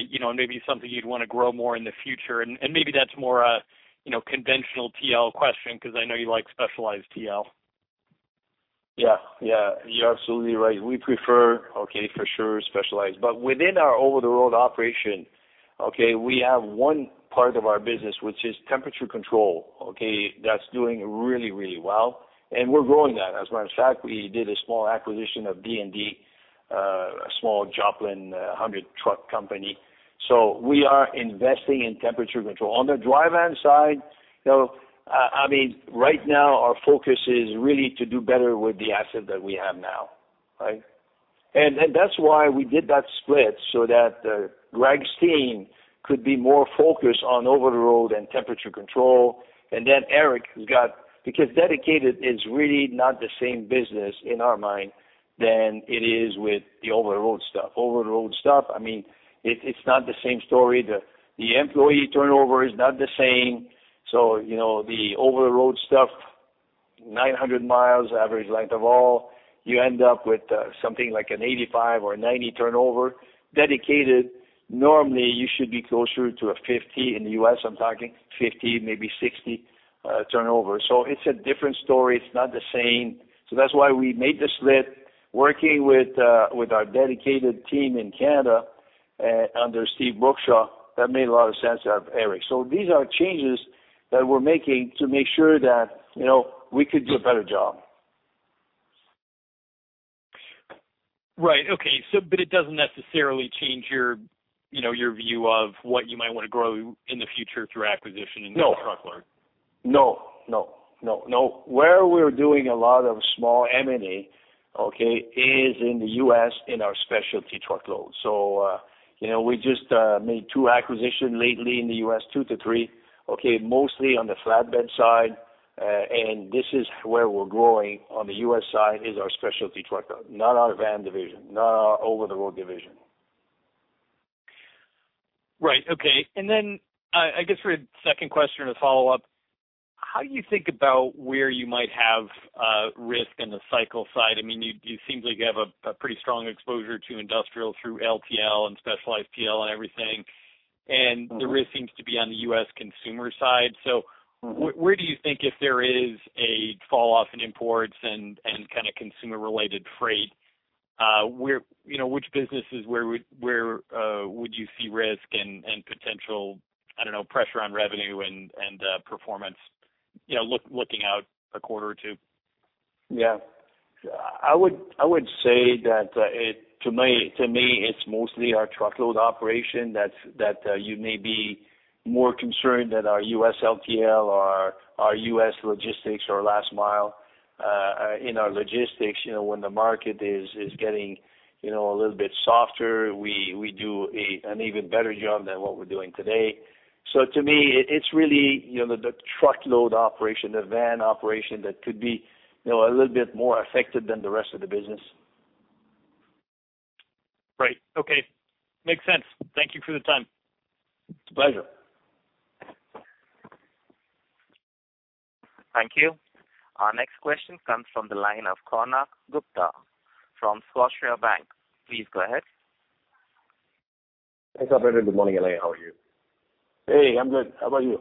You know, maybe something you'd wanna grow more in the future. Maybe that's more a, you know, conventional TL question because I know you like specialized TL. Yeah. Yeah. You're absolutely right. We prefer, okay, for sure, specialized. Within our over-the-road operation, okay, we have one part of our business, which is temperature control, okay, that's doing really, really well, and we're growing that. As a matter of fact, we did a small acquisition of D&D, a small Joplin, 100-truck company. We are investing in temperature control. On the dry van side, you know, I mean, right now our focus is really to do better with the asset that we have now, right? That's why we did that split so that Greg's team could be more focused on over-the-road and temperature control. Then Eric has got because dedicated is really not the same business in our mind than it is with the over-the-road stuff. Over-the-road stuff, I mean, it's not the same story. The employee turnover is not the same. You know, the over-the-road stuff, 900 miles average length of haul, you end up with something like an 85 or a 90 turnover. Dedicated, normally you should be closer to a 50. In the U.S., I'm talking 50, maybe 60, turnover. It's a different story. It's not the same. That's why we made the split, working with our dedicated team in Canada, under Steven Brookshaw, that made a lot of sense to have Eric. These are changes that we're making to make sure that, you know, we could do a better job. Right. Okay. It doesn't necessarily change your, you know, your view of what you might wanna grow in the future through acquisition in the truckload? No. Where we're doing a lot of small M&A, okay, is in the U.S. in our specialty truckload. You know, we just made two acquisitions lately in the U.S., two to three, okay, mostly on the flatbed side. This is where we're growing on the U.S. side is our specialty truckload, not our van division, not our over-the-road division. Right. Okay. Then, I guess for a second question or follow-up, how do you think about where you might have risk in the cyclical side? I mean, you seem like you have a pretty strong exposure to industrial through LTL and specialized TL and everything. The risk seems to be on the U.S. consumer side. Mm-hmm. Where do you think if there is a fall off in imports and kinda consumer-related freight, you know, which businesses would you see risk and potential, I don't know, pressure on revenue and performance, you know, looking out a quarter or two? I would say that to me it's mostly our truckload operation that you may be more concerned than our U.S. LTL or our US logistics or last mile. In our logistics, you know, when the market is getting, you know, a little bit softer, we do an even better job than what we're doing today. To me it's really, you know, the truckload operation, the van operation that could be, you know, a little bit more affected than the rest of the business. Right. Okay. Makes sense. Thank you for the time. It's a pleasure. Thank you. Our next question comes from the line of Konark Gupta from Scotiabank. Please go ahead. Thanks, operator. Good morning, Alain. How are you? Hey, I'm good. How about you?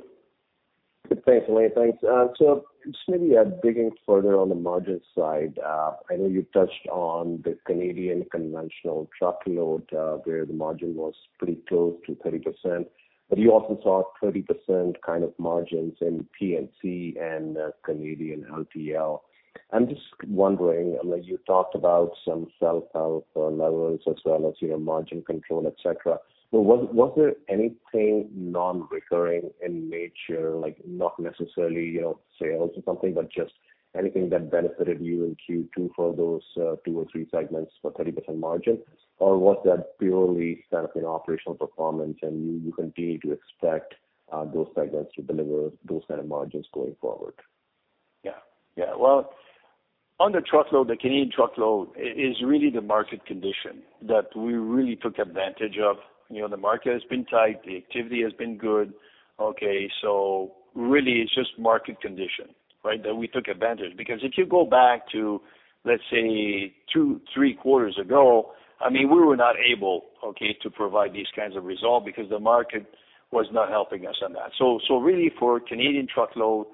Good, thanks, Alain. Thanks. So just maybe digging further on the margin side. I know you touched on the Canadian conventional truckload, where the margin was pretty close to 30%, but you also saw 30% kind of margins in P&C and Canadian LTL. I'm just wondering, Alain, you talked about some self-help levels as well as, you know, margin control, et cetera. Was there anything non-recurring in nature, like not necessarily, you know, sales or something, but just anything that benefited you in Q2 for those two or three segments for 30% margin? Was that purely kind of, you know, operational performance and you continue to expect those segments to deliver those kind of margins going forward? Well, on the truckload, the Canadian truckload is really the market condition that we really took advantage of. You know, the market has been tight, the activity has been good, okay? Really it's just market condition, right? That we took advantage. Because if you go back to, let's say, two, three quarters ago, I mean, we were not able, okay, to provide these kinds of results because the market was not helping us on that. Really for Canadian truckload,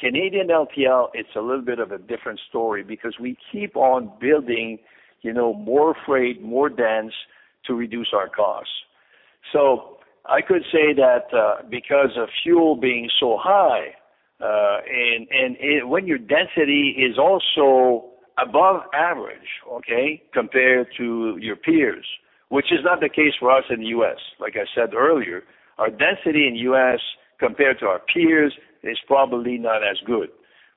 Canadian LTL, it's a little bit of a different story because we keep on building, you know, more freight, more dense to reduce our costs. I could say that, because of fuel being so high, and when your density is also above average, okay, compared to your peers, which is not the case for us in the U.S.. Like I said earlier, our density in U.S. compared to our peers is probably not as good.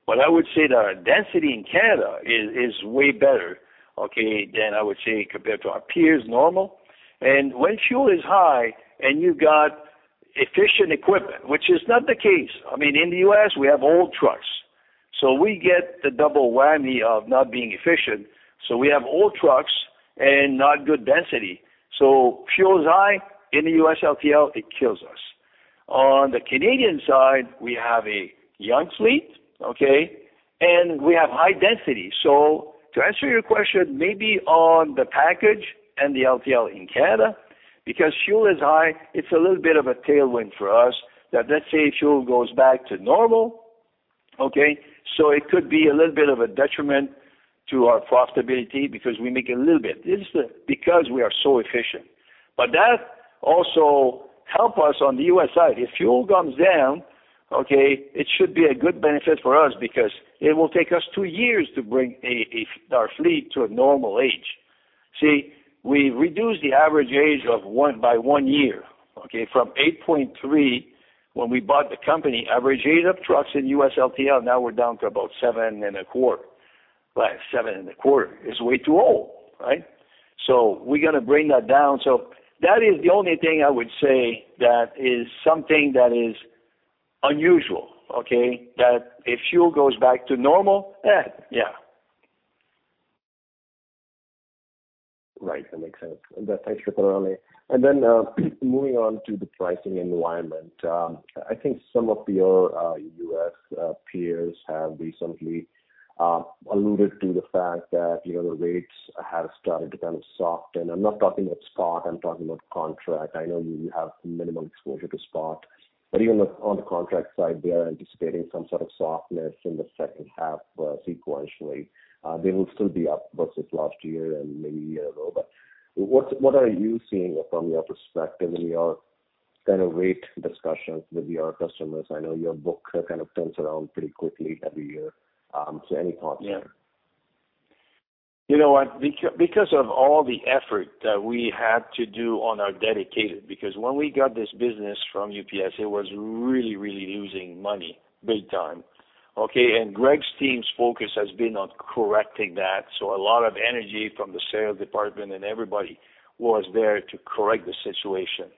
I would say that our density in Canada is way better, okay, than I would say compared to our peers normal. When fuel is high and you've got efficient equipment, which is not the case, I mean, in the U.S. we have old trucks, so we get the double whammy of not being efficient. We have old trucks and not good density. Fuel is high in the U.S. LTL, it kills us. On the Canadian side, we have a young fleet, okay, and we have high density. To answer your question, maybe on the package and the LTL in Canada, because fuel is high, it's a little bit of a tailwind for us that let's say fuel goes back to normal, okay? It could be a little bit of a detriment to our profitability because we make a little bit. It's because we are so efficient. That also help us on the U.S. side. If fuel comes down, okay, it should be a good benefit for us because it will take us two years to bring our fleet to a normal age. See, we reduce the average age by one year, okay, from 8.3 when we bought the company, average age of trucks in U.S. LTL, now we're down to about 7.25. Seven and a quarter is way too old, right? We're gonna bring that down. That is the only thing I would say that is something that is unusual, okay? That if fuel goes back to normal, yeah. Right. That makes sense. Thanks for clarity. Moving on to the pricing environment. I think some of your U.S. peers have recently alluded to the fact that, you know, the rates have started to kind of soften. I'm not talking about spot. I'm talking about contract. I know you have minimal exposure to spot. Even on the contract side, they are anticipating some sort of softness in the second half sequentially. They will still be up versus last year and maybe a year ago. What are you seeing from your perspective and your kind of rate discussions with your customers? I know your book kind of turns around pretty quickly every year. Any thoughts there? Yeah. You know what? Because of all the effort that we had to do on our dedicated, because when we got this business from UPS, it was really, really losing money big time, okay? Greg's team's focus has been on correcting that. A lot of energy from the sales department and everybody was there to correct the situation.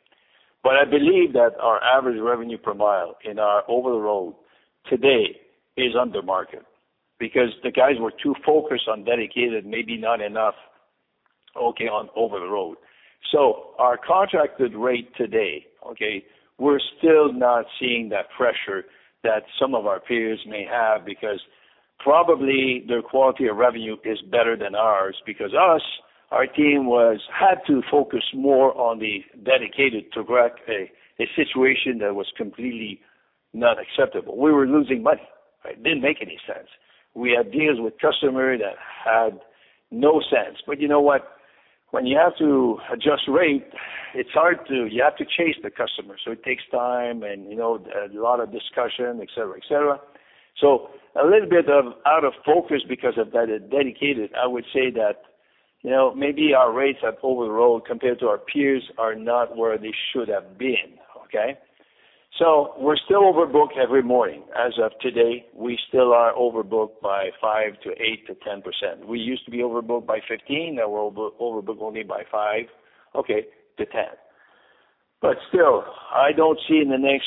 I believe that our average revenue per mile in our over-the-road today is under market because the guys were too focused on dedicated, maybe not enough, okay, on over-the-road. Our contracted rate today, okay, we're still not seeing that pressure that some of our peers may have because probably their quality of revenue is better than ours. Because us, our team had to focus more on the dedicated to correct a situation that was completely not acceptable. We were losing money. It didn't make any sense. We had deals with customers that had no sense. You know what? When you have to adjust rate, it's hard to. You have to chase the customer. It takes time and you know, a lot of discussion, et cetera, et cetera. A little bit of out of focus because of dedicated, I would say that, you know, maybe our rates have over the road compared to our peers are not where they should have been, okay. We're still overbooked every morning. As of today, we still are overbooked by 5 to 8 to 10%. We used to be overbooked by 15, now we're overbooked only by 5, okay, to 10. Still, I don't see in the next,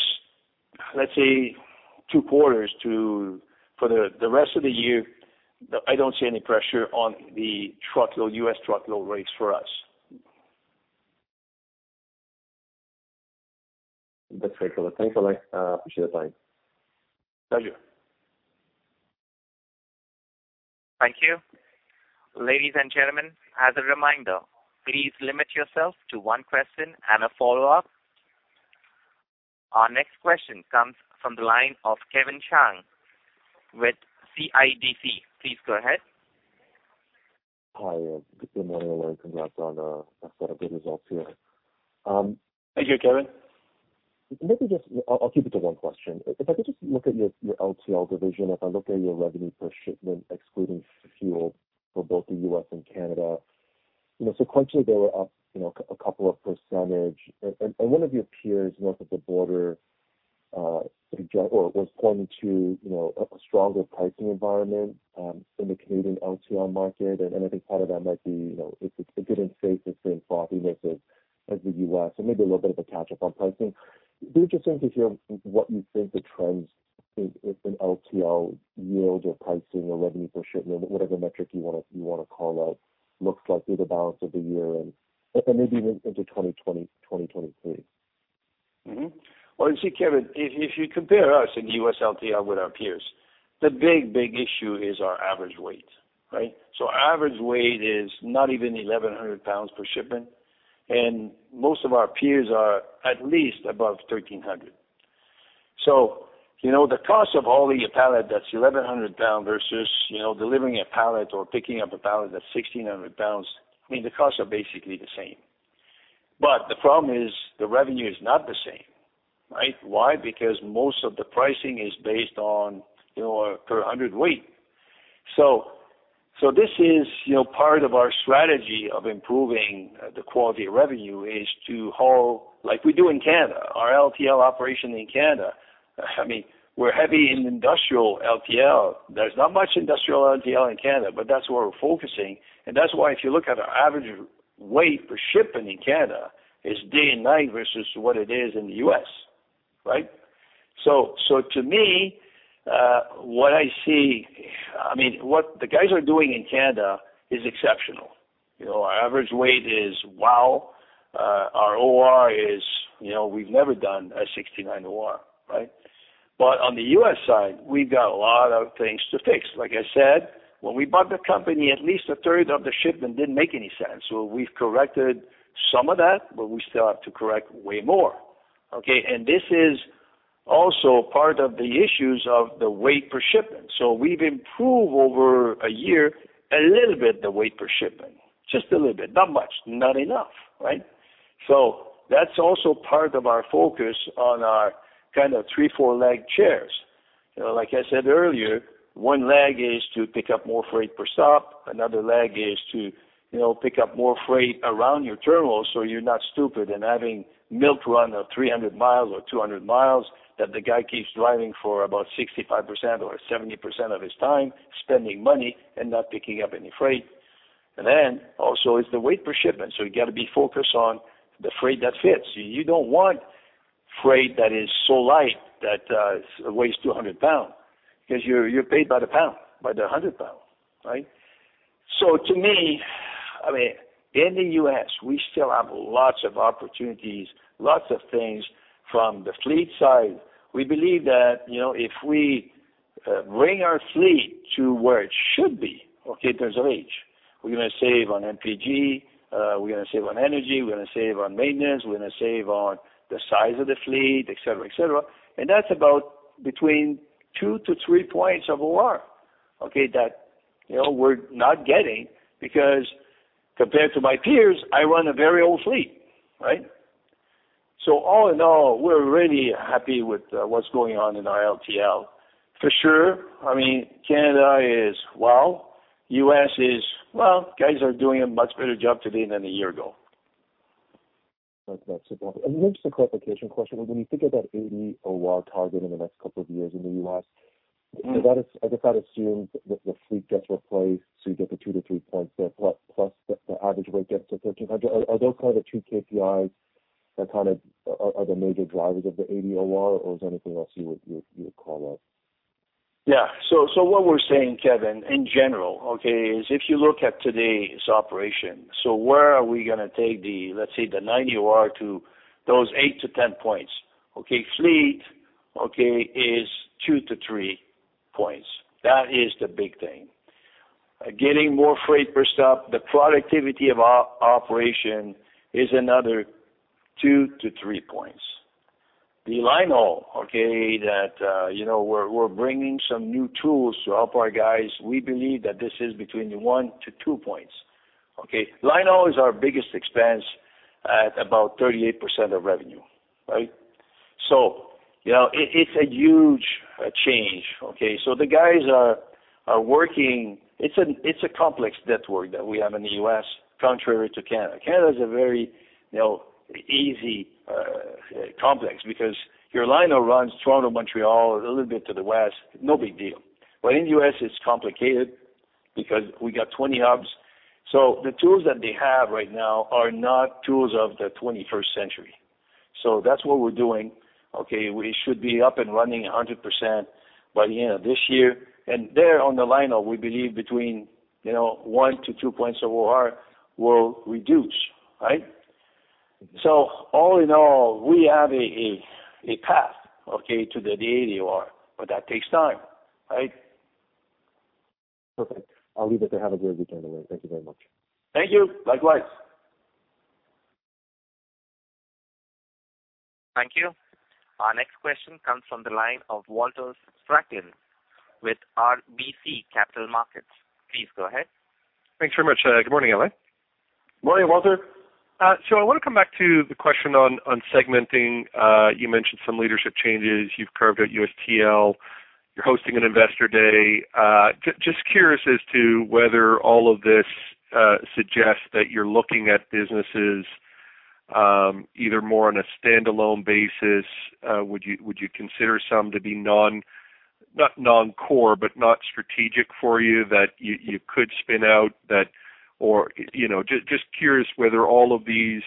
let's say, two quarters to for the rest of the year, I don't see any pressure on the truckload, U.S. truckload rates for us. That's great. Thanks, Alain. I appreciate the time. Thank you. Thank you. Ladies and gentlemen, as a reminder, please limit yourself to one question and a follow-up. Our next question comes from the line of Kevin Chiang with CIBC. Please go ahead. Hi. Good morning, Alain. Congrats on a set of good results here. Thank you, Kevin. I'll keep it to one question. If I could just look at your LTL division. If I look at your revenue per shipment excluding fuel for both the U.S. and Canada, you know, sequentially, they were up, you know, a couple of percentage. One of your peers north of the border, sort of or was pointing to, you know, a stronger pricing environment in the Canadian LTL market. I think part of that might be, you know, it's a, it didn't face the same frothiness as the U.S., so maybe a little bit of a catch-up on pricing. Be interesting to hear what you think the trends is in LTL yield or pricing or revenue per shipment, whatever metric you wanna call out looks like through the balance of the year and maybe even into 2023? Mm-hmm. Well, you see, Kevin, if you compare us in the U.S. LTL with our peers, the big issue is our average weight, right? So average weight is not even 1,100 pounds per shipment, and most of our peers are at least above 1,300. So, you know, the cost of hauling a pallet that's 1,100 pounds versus, you know, delivering a pallet or picking up a pallet that's 1,600 pounds, I mean, the costs are basically the same. But the problem is the revenue is not the same, right? Why? Because most of the pricing is based on, you know, per hundredweight. So this is, you know, part of our strategy of improving the quality of revenue is to haul like we do in Canada, our LTL operation in Canada. I mean, we're heavy in industrial LTL. There's not much industrial LTL in Canada, but that's where we're focusing. That's why if you look at our average weight per shipment in Canada, it's day and night versus what it is in the U.S., right? To me, what I see, I mean, what the guys are doing in Canada is exceptional. You know, our average weight is wow. Our OR is, you know, we've never done a 69% OR, right? But on the U.S. side, we've got a lot of things to fix. Like I said, when we bought the company, at least 1/3 of the shipment didn't make any sense. We've corrected some of that, but we still have to correct way more, okay? This is also part of the issues of the weight per shipment. We've improved over a year a little bit the weight per shipment, just a little bit, not much, not enough, right? That's also part of our focus on our kind of three-, four-leg chairs. You know, like I said earlier, one leg is to pick up more freight per stop. Another leg is to, you know, pick up more freight around your terminal so you're not stupid and having milk run of 300 miles or 200 miles that the guy keeps driving for about 65% or 70% of his time spending money and not picking up any freight. Also it's the weight per shipment, so you got to be focused on the freight that fits. You don't want freight that is so light that it weighs 200 pounds because you're paid by the pound, by the hundred pound, right? To me, I mean, in the U.S., we still have lots of opportunities, lots of things from the fleet side. We believe that, you know, if we bring our fleet to where it should be, okay, in terms of age, we're gonna save on MPG, we're gonna save on energy, we're gonna save on maintenance, we're gonna save on the size of the fleet, et cetera, et cetera. That's about between two to three points of OR, okay, that, you know, we're not getting because compared to my peers, I run a very old fleet, right? All in all, we're really happy with what's going on in our LTL. For sure, I mean, Canada is wow. U.S. is, well, guys are doing a much better job today than a year ago. That's. Yeah. Maybe just a clarification question. When you think of that 80% OR target in the next couple of years in the U.S.?I guess that assumes that the fleet gets replaced, so you get the two to three points there, plus the average rate gets to 1,300. Are those kind of the two KPIs that kind of are the major drivers of the 80% OR, or is there anything else you would call out? Yeah. What we're saying, Kevin, in general, okay, is if you look at today's operation, where are we gonna take the, let's say, the 90% OR to those eight to 10 points, okay? Fleet, okay, is two to three points. That is the big thing. Getting more freight per stop, the productivity of operation is another 2two to three points. The line haul, okay, that, you know, we're bringing some new tools to help our guys. We believe that this is between one to two points, okay? Line haul is our biggest expense at about 38% of revenue, right? You know, it's a huge change, okay? The guys are working. It's a complex network that we have in the U.S., contrary to Canada. Canada is a very, you know, easy complex because your line haul runs Toronto, Montreal, a little bit to the west, no big deal. In the U.S., it's complicated because we got 20 hubs. The tools that they have right now are not tools of the 21st century. That's what we're doing, okay? We should be up and running 100% by the end of this year. There on the line haul, we believe between, you know, one to two points of OR will reduce, right? All in all, we have a path, okay, to the 80% OR, but that takes time, right? Perfect. I'll leave it there. Have a great weekend, Alain. Thank you very much. Thank you. Likewise. Thank you. Our next question comes from the line of Walter Spracklin with RBC Capital Markets. Please go ahead. Thanks very much. Good morning, Alain. Morning, Walter. I wanna come back to the question on segmenting. You mentioned some leadership changes. You've carved out U.S. TL. You're hosting an Investor Day. Just curious as to whether all of this suggests that you're looking at businesses either more on a standalone basis. Would you consider some to be non-core, but not strategic for you that you could spin out or, you know, just curious whether all of these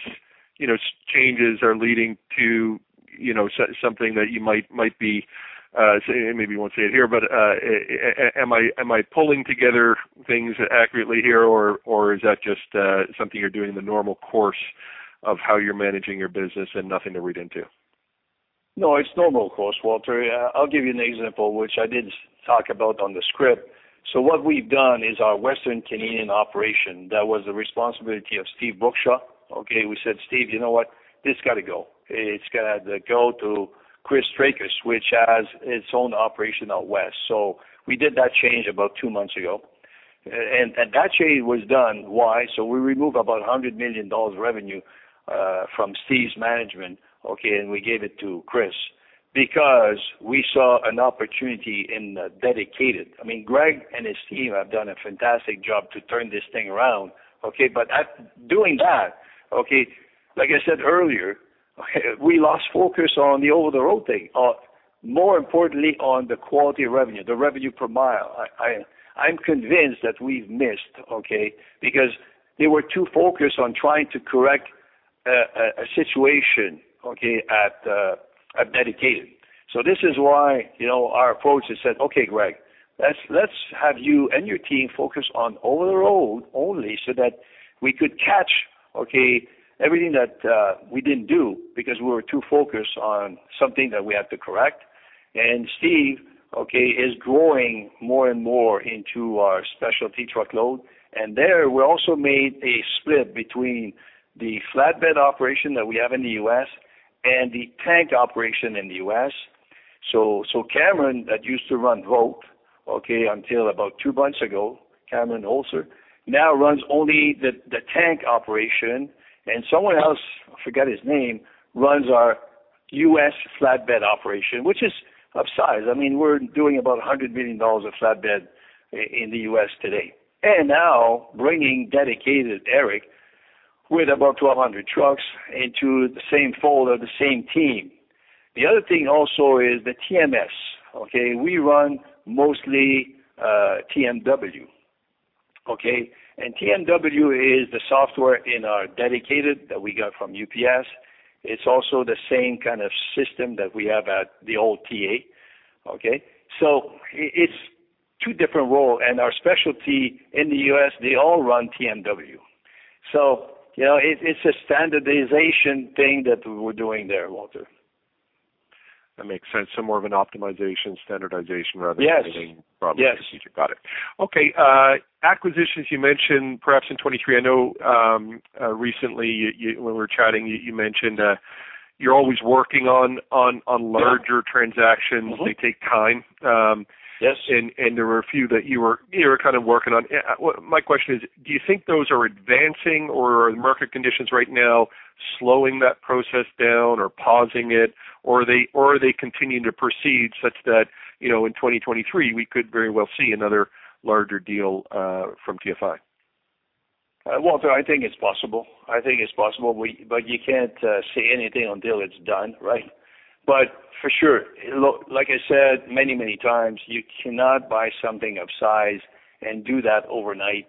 changes are leading to something that you might be, say, maybe you won't say it here, but, am I pulling together things accurately here or is that just something you're doing in the normal course of how you're managing your business and nothing to read into? No, it's normal course, Walter. I'll give you an example, which I did talk about on the script. What we've done is our Western Canadian operation that was the responsibility of Steve Brookshaw, okay. We said, "Steve, you know what? This has gotta go. It's gotta go to Chris Traikos, which has its own operation out west." We did that change about two months ago. That change was done, why? We remove about $100 million revenue from Steve's management, okay, and we gave it to Chris because we saw an opportunity in Dedicated. I mean, Greg and his team have done a fantastic job to turn this thing around, okay. At doing that, okay, like I said earlier, we lost focus on the over-the-road thing. More importantly, on the quality revenue, the revenue per mile. I'm convinced that we've missed because they were too focused on trying to correct a situation at Dedicated. This is why, you know, our approach has said, "Okay, Greg, let's have you and your team focus on over-the-road only so that we could catch everything that we didn't do because we were too focused on something that we have to correct." Steve is growing more and more into our specialty truckload. There, we also made a split between the flatbed operation that we have in the U.S. and the tank operation in the U.S. Cameron, that used to run both, until about two months ago, Cameron Holzer now runs only the tank operation, and someone else, I forgot his name, runs our U.S. flatbed operation, which is upsized. I mean, we're doing about $100 million of flatbed in the U.S. today. Now bringing dedicated, Eric, with about 1,200 trucks into the same fold, the same team. The other thing also is the TMS, okay? We run mostly TMW. Okay. TMW is the software in our dedicated that we got from UPS. It's also the same kind of system that we have at the old TA, okay. It's two different worlds. Our specialties in the U.S., they all run TMW. You know, it's a standardization thing that we're doing there, Walter. That makes sense. More of an optimization, standardization rather than. Yes. Probably strategic. Got it. Okay. Acquisitions you mentioned perhaps in 2023. I know, recently, when we were chatting, you mentioned, you're always working on larger transactions. Mm-hmm. They take time. Yes. There were a few that you were kind of working on. Well, my question is, do you think those are advancing or are the market conditions right now slowing that process down or pausing it, or are they continuing to proceed such that, you know, in 2023, we could very well see another larger deal from TFI? Walter, I think it's possible, but you can't say anything until it's done, right. For sure. Look, like I said many times, you cannot buy something of size and do that overnight.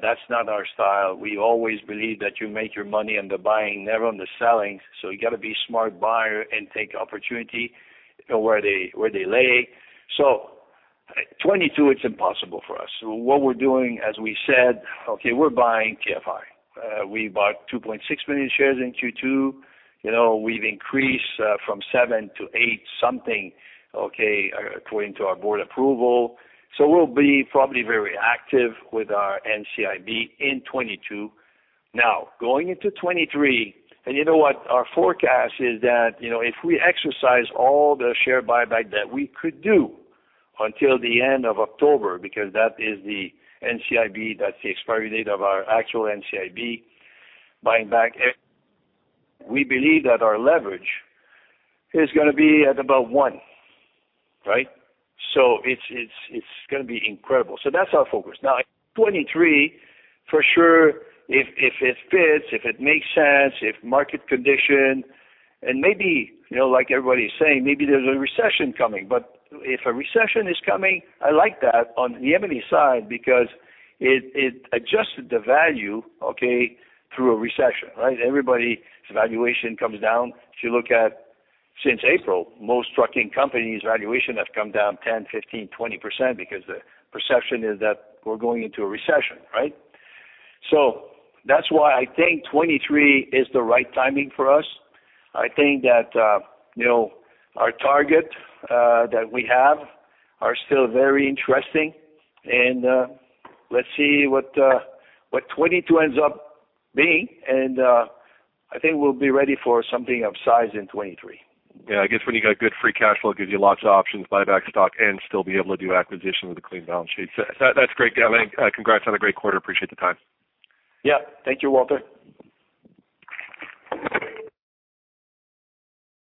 That's not our style. We always believe that you make your money on the buying, never on the selling. You gotta be smart buyer and take opportunity where they lay. 2022, it's impossible for us. What we're doing, as we said, okay, we're buying TFI. We bought 2.6 million shares in Q2. You know, we've increased from seven to eight something, okay, according to our board approval. We'll be probably very active with our NCIB in 2022. Now, going into 2023, and you know what? Our forecast is that, you know, if we exercise all the share buyback that we could do until the end of October, because that is the NCIB, that's the expiry date of our actual NCIB buying back, we believe that our leverage is gonna be at about one, right? It's gonna be incredible. That's our focus. Now, in 2023, for sure, if it fits, if it makes sense, if market condition, and maybe, you know, like everybody is saying, maybe there's a recession coming. If a recession is coming, I like that on the equity side because it adjusted the value, okay, through a recession, right? Everybody's valuation comes down. If you look at since April, most trucking companies' valuation have come down 10, 15, 20% because the perception is that we're going into a recession, right? That's why I think 2023 is the right timing for us. I think that, you know, our target, that we have are still very interesting. Let's see what 2022 ends up being. I think we'll be ready for something of size in 2023. Yeah, I guess when you got good free cash flow, it gives you lots of options, buy back stock and still be able to do acquisition with a clean balance sheet. That, that's great, Alain. Congrats on a great quarter. Appreciate the time. Yeah. Thank you, Walter.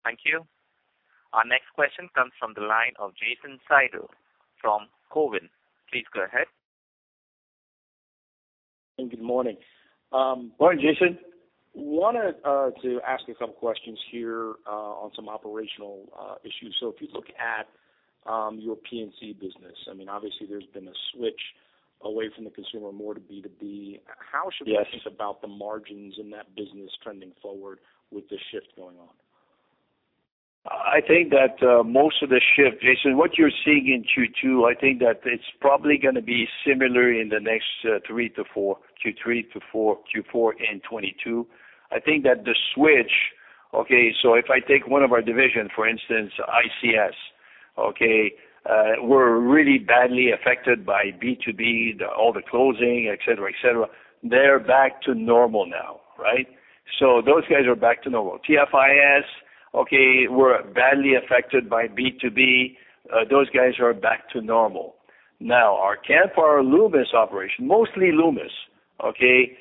Thank you. Our next question comes from the line of Jason Seidl from Cowen. Please go ahead. Good morning. Morning, Jason. Wanted to ask you some questions here on some operational issues. If you look at your P&C business, I mean, obviously there's been a switch away from the consumer more to B2B. Yes. How should we think about the margins in that business trending forward with the shift going on? I think that most of the shift, Jason, what you're seeing in Q2, I think that it's probably gonna be similar in the next three to four, Q3 to Q4 and 2022. I think that the switch, okay, so if I take one of our divisions, for instance, ICS, okay, we're really badly affected by B2B, all the closing, et cetera, et cetera. They're back to normal now, right? So those guys are back to normal. TFIS, okay, were badly affected by B2B. Those guys are back to normal. Now, our Canpar-Loomis operation, mostly Loomis, okay,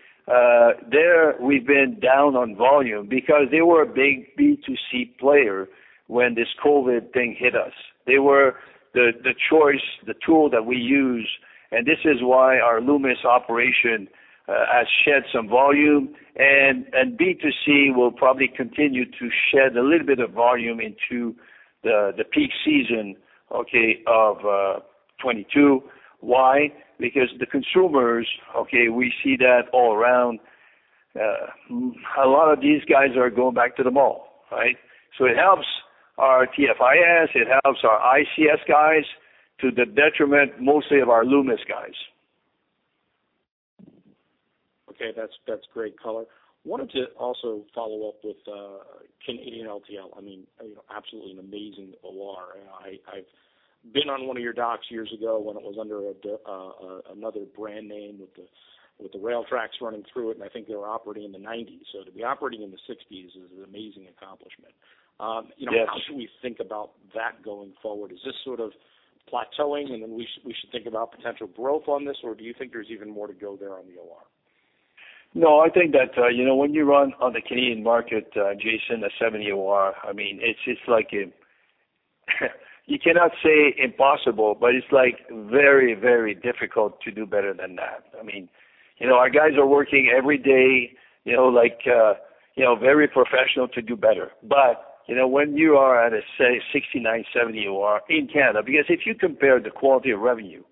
there we've been down on volume because they were a big B2C player when this COVID thing hit us. They were the choice, the tool that we use, and this is why our Loomis operation has shed some volume. B2C will probably continue to shed a little bit of volume into the peak season, okay, of 2022. Why? Because the consumers, okay, we see that all around, a lot of these guys are going back to the mall, right? It helps our TFIS, it helps our ICS guys to the detriment mostly of our Loomis guys. Okay. That's great color. Wanted to also follow up with Canadian LTL. I mean, you know, absolutely an amazing OR. I have been on one of your docks years ago when it was under another brand name with the rail tracks running through it, and I think they were operating in the nineties. To be operating in the sixties is an amazing accomplishment. Yes. You know, how should we think about that going forward? Is this sort of plateauing, and then we should think about potential growth on this, or do you think there's even more to go there on the OR? No, I think that, you know, when you run on the Canadian market, Jason, a 70% OR, I mean, it's just like a. You cannot say impossible, but it's, like, very, very difficult to do better than that. I mean, you know, our guys are working every day, you know, like, you know, very professional to do better. But, you know, when you are at a say 69%, 70% OR in Canada. Because if you compare the quality of revenue,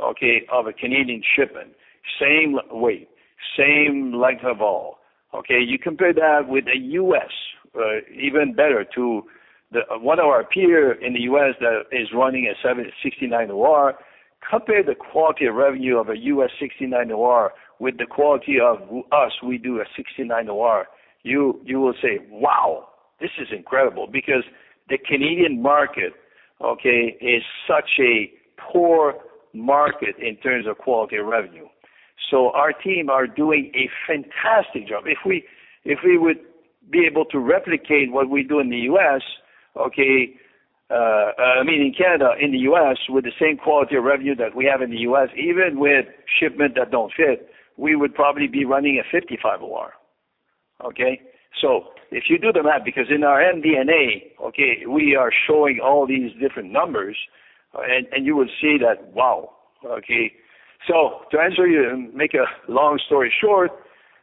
okay, of a Canadian shipment, same weight, same length haul, okay, you compare that with the U.S., even better to one of our peer in the U.S. that is running a 76.9% OR, compare the quality of revenue of a U.S. 69% OR with the quality of ours, we do a 69% OR, you will say, "Wow, this is incredible." Because the Canadian market, okay, is such a poor market in terms of quality of revenue. Our team are doing a fantastic job. If we would be able to replicate what we do in the U.S., okay, I mean, in Canada, in the U.S., with the same quality of revenue that we have in the U.S., even with shipment that don't fit, we would probably be running a 55% OR, okay? If you do the math, because in our MD&A, okay, we are showing all these different numbers and you will see that, wow, okay. To answer you and make a long story short,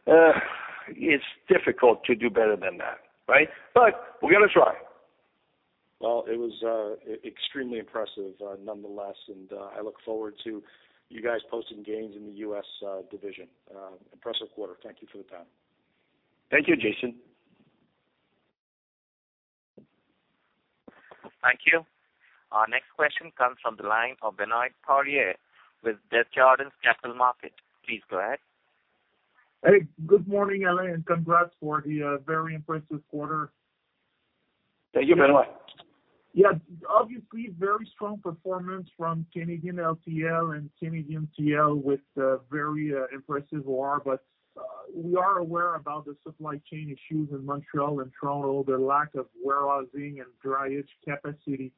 it's difficult to do better than that, right? We're gonna try. Well, it was extremely impressive nonetheless, and I look forward to you guys posting gains in the U.S. division. Impressive quarter. Thank you for the time. Thank you, Jason. Thank you. Our next question comes from the line of Benoit Poirier with Desjardins Capital Markets. Please go ahead. Hey. Good morning, Alain, and congrats for the very impressive quarter. Thank you, Benoit. Yeah. Obviously very strong performance from Canadian LTL and Canadian TL with very impressive OR. We are aware about the supply chain issues in Montreal and Toronto, the lack of warehousing and drayage capacity.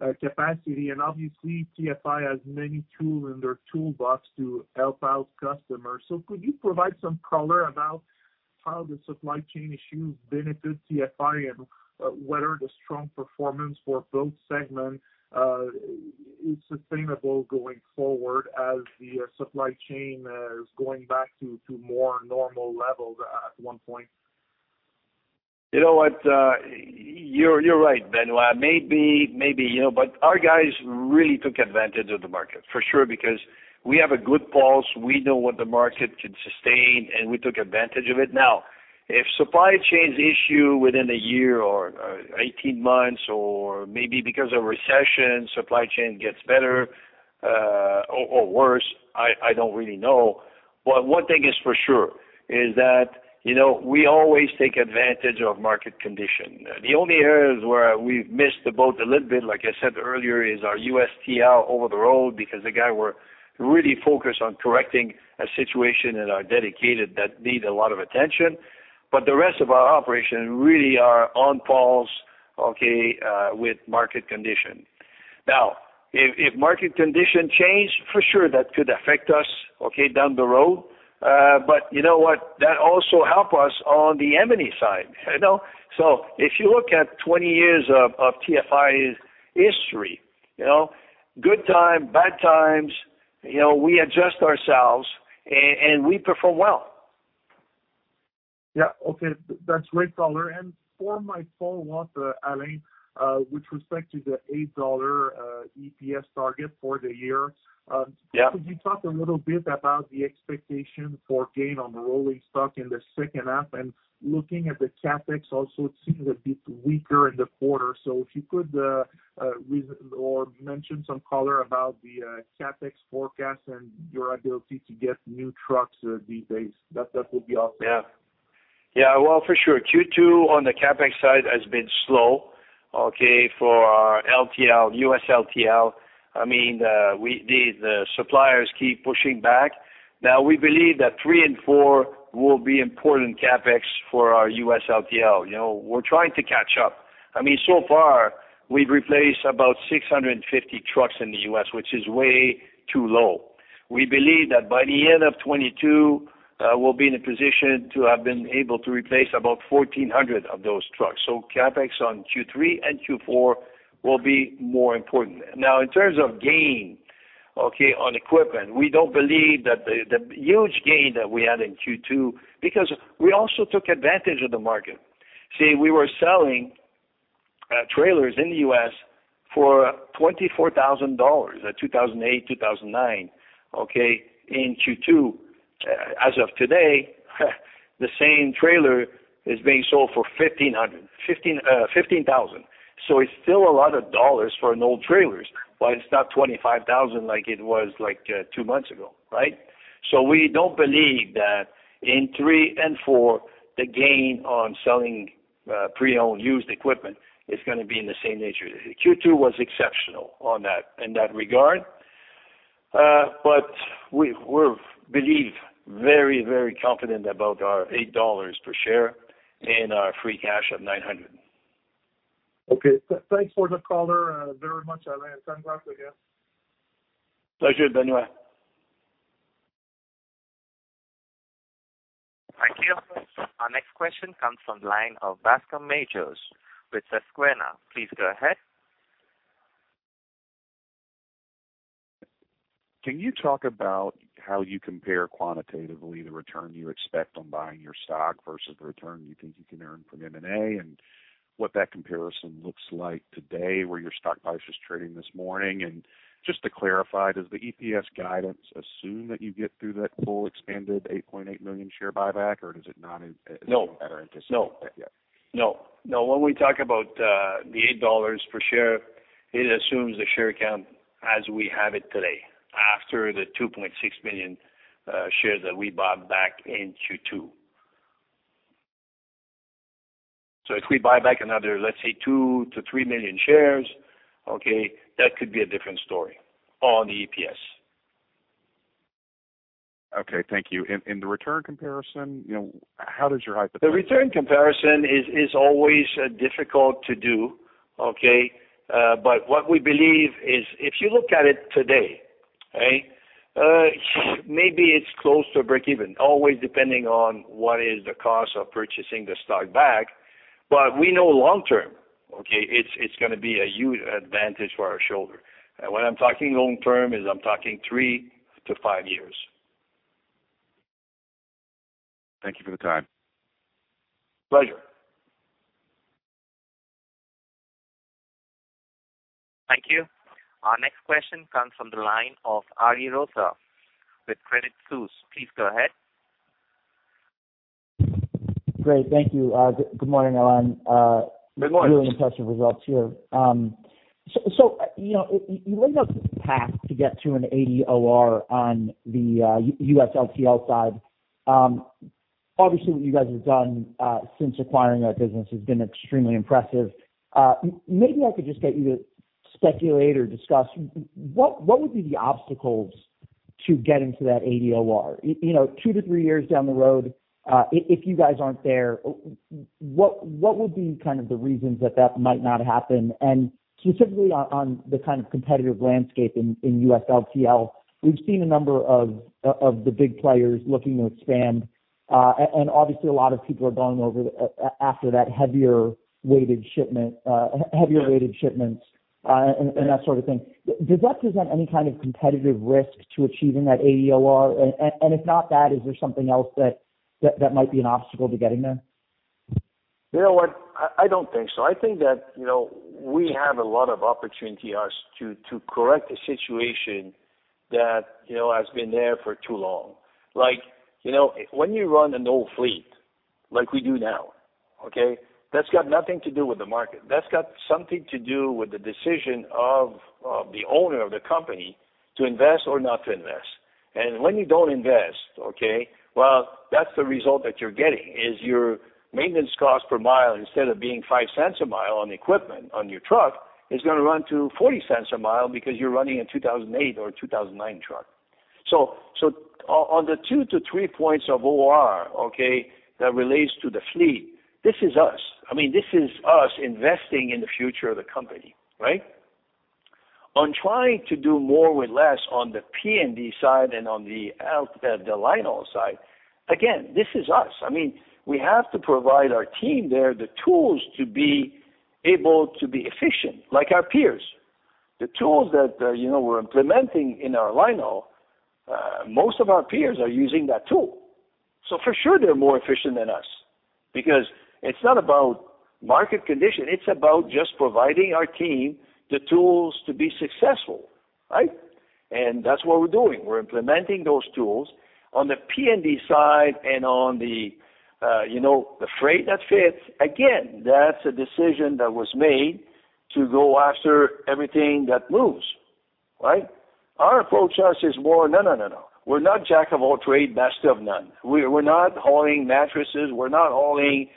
Obviously, TFI has many tools in their toolbox to help out customers. Could you provide some color about how the supply chain issues benefit TFI and whether the strong performance for both segments is sustainable going forward as the supply chain is going back to more normal levels at one point? You know what? You're right, Benoit. Maybe, you know, but our guys really took advantage of the market for sure, because we have a good pulse. We know what the market can sustain, and we took advantage of it. Now, if supply chains issue within a year or 18 months or maybe because of recession, supply chain gets better, or worse, I don't really know. One thing is for sure, is that, you know, we always take advantage of market condition. The only areas where we've missed the boat a little bit, like I said earlier, is our U.S. TL over the road because the guy were really focused on correcting a situation and are dedicated that need a lot of attention. The rest of our operation really are on pause, okay, with market condition. Now, if market conditions change, for sure that could affect us, okay, down the road. But you know what? That also helps us on the M&A side, you know. If you look at 20 years of TFI's history, you know. Good times, bad times, you know, we adjust ourselves and we perform well. Yeah. Okay. That's great color. For my follow-up, Alain, with respect to the $8 EPS target for the year, Yeah. Could you talk a little bit about the expectation for gain on rolling stock in the second half? Looking at the CapEx also, it seems a bit weaker in the quarter. If you could or mention some color about the CapEx forecast and your ability to get new trucks these days, that would be awesome. Yeah. Yeah. Well, for sure. Q2 on the CapEx side has been slow, okay, for our LTL, U.S. LTL. I mean, the suppliers keep pushing back. Now, we believe that three and four will be important CapEx for our U.S. LTL. You know, we're trying to catch up. I mean, so far, we've replaced about 650 trucks in the US, which is way too low. We believe that by the end of 2022, we'll be in a position to have been able to replace about 1,400 of those trucks. CapEx on Q3 and Q4 will be more important. Now, in terms of gain, okay, on equipment, we don't believe that the huge gain that we had in Q2 because we also took advantage of the market. We were selling trailers in the U.S. for $24,000 in 2008, 2009, okay, in Q2. As of today, the same trailer is being sold for $15,000. It's still a lot of dollars for an old trailers, but it's not $25,000 like it was, like, two months ago, right? We don't believe that in three and four, the gain on selling pre-owned used equipment is gonna be in the same nature. Q2 was exceptional on that, in that regard. We believe very, very confident about our $8 per share and our free cash of $900. Okay. Thanks for the color, very much, Alain. Thanks again. Pleasure, Benoit. Thank you. Our next question comes from the line of Bascome Majors with Susquehanna. Please go ahead. Can you talk about how you compare quantitatively the return you expect on buying your stock versus the return you think you can earn from M&A, and what that comparison looks like today, where your stock price is trading this morning? Just to clarify, does the EPS guidance assume that you get through that full expanded 8.8 million share buyback or does it not assume that or anticipate that yet? No. When we talk about the $8 per share, it assumes the share count as we have it today after the 2.6 million shares that we bought back in Q2. If we buy back another, let's say, 2-3 million shares, okay, that could be a different story on the EPS. Okay. Thank you. The return comparison, you know, how does your hypothesis- The return comparison is always difficult to do, okay? What we believe is if you look at it today, okay, maybe it's close to breakeven, always depending on what is the cost of purchasing the stock back. We know long term, okay, it's gonna be a huge advantage for our shareholder. When I'm talking long term is I'm talking three to five years. Thank you for the time. Pleasure. Thank you. Our next question comes from the line of Ariel Rosa with Credit Suisse. Please go ahead. Great. Thank you. Good morning, Alain. Good morning. Really impressive results here. So, you know, you laid out the path to get to an 80% OR on the U.S. LTL side. Obviously, what you guys have done since acquiring that business has been extremely impressive. Maybe I could just get you to speculate or discuss what would be the obstacles to getting to that 80% OR? You know, two to three years down the road, if you guys aren't there, what would be kind of the reasons that might not happen? Specifically on the kind of competitive landscape in U.S. LTL, we've seen a number of the big players looking to expand. Obviously a lot of people are going after heavier weighted shipments, and that sort of thing. Does that present any kind of competitive risk to achieving that 80% OR? If not that, is there something else that might be an obstacle to getting there? You know what? I don't think so. I think that, you know, we have a lot of opportunity to correct a situation that, you know, has been there for too long. Like, you know, when you run an old fleet, like we do now, okay? That's got nothing to do with the market. That's got something to do with the decision of the owner of the company to invest or not to invest. When you don't invest, okay, well, that's the result that you're getting, is your maintenance cost per mile, instead of being $0.05 a mile on equipment on your truck, is gonna run to $0.40 a mile because you're running a 2008 or 2009 truck. On the two to three points of OR, okay, that relates to the fleet, this is us. I mean, this is us investing in the future of the company, right? On trying to do more with less on the P&D side and on the linehaul side. Again, this is us. I mean, we have to provide our team there the tools to be able to be efficient like our peers. The tools that, you know, we're implementing in our linehaul, most of our peers are using that tool. So for sure they're more efficient than us because it's not about market condition, it's about just providing our team the tools to be successful, right? That's what we're doing. We're implementing those tools on the P&D side and on the, you know, the freight that fits. Again, that's a decision that was made to go after everything that moves, right? Our approach is more no, no. We're not jack of all trades, master of none. We're not hauling mattresses. We're not hauling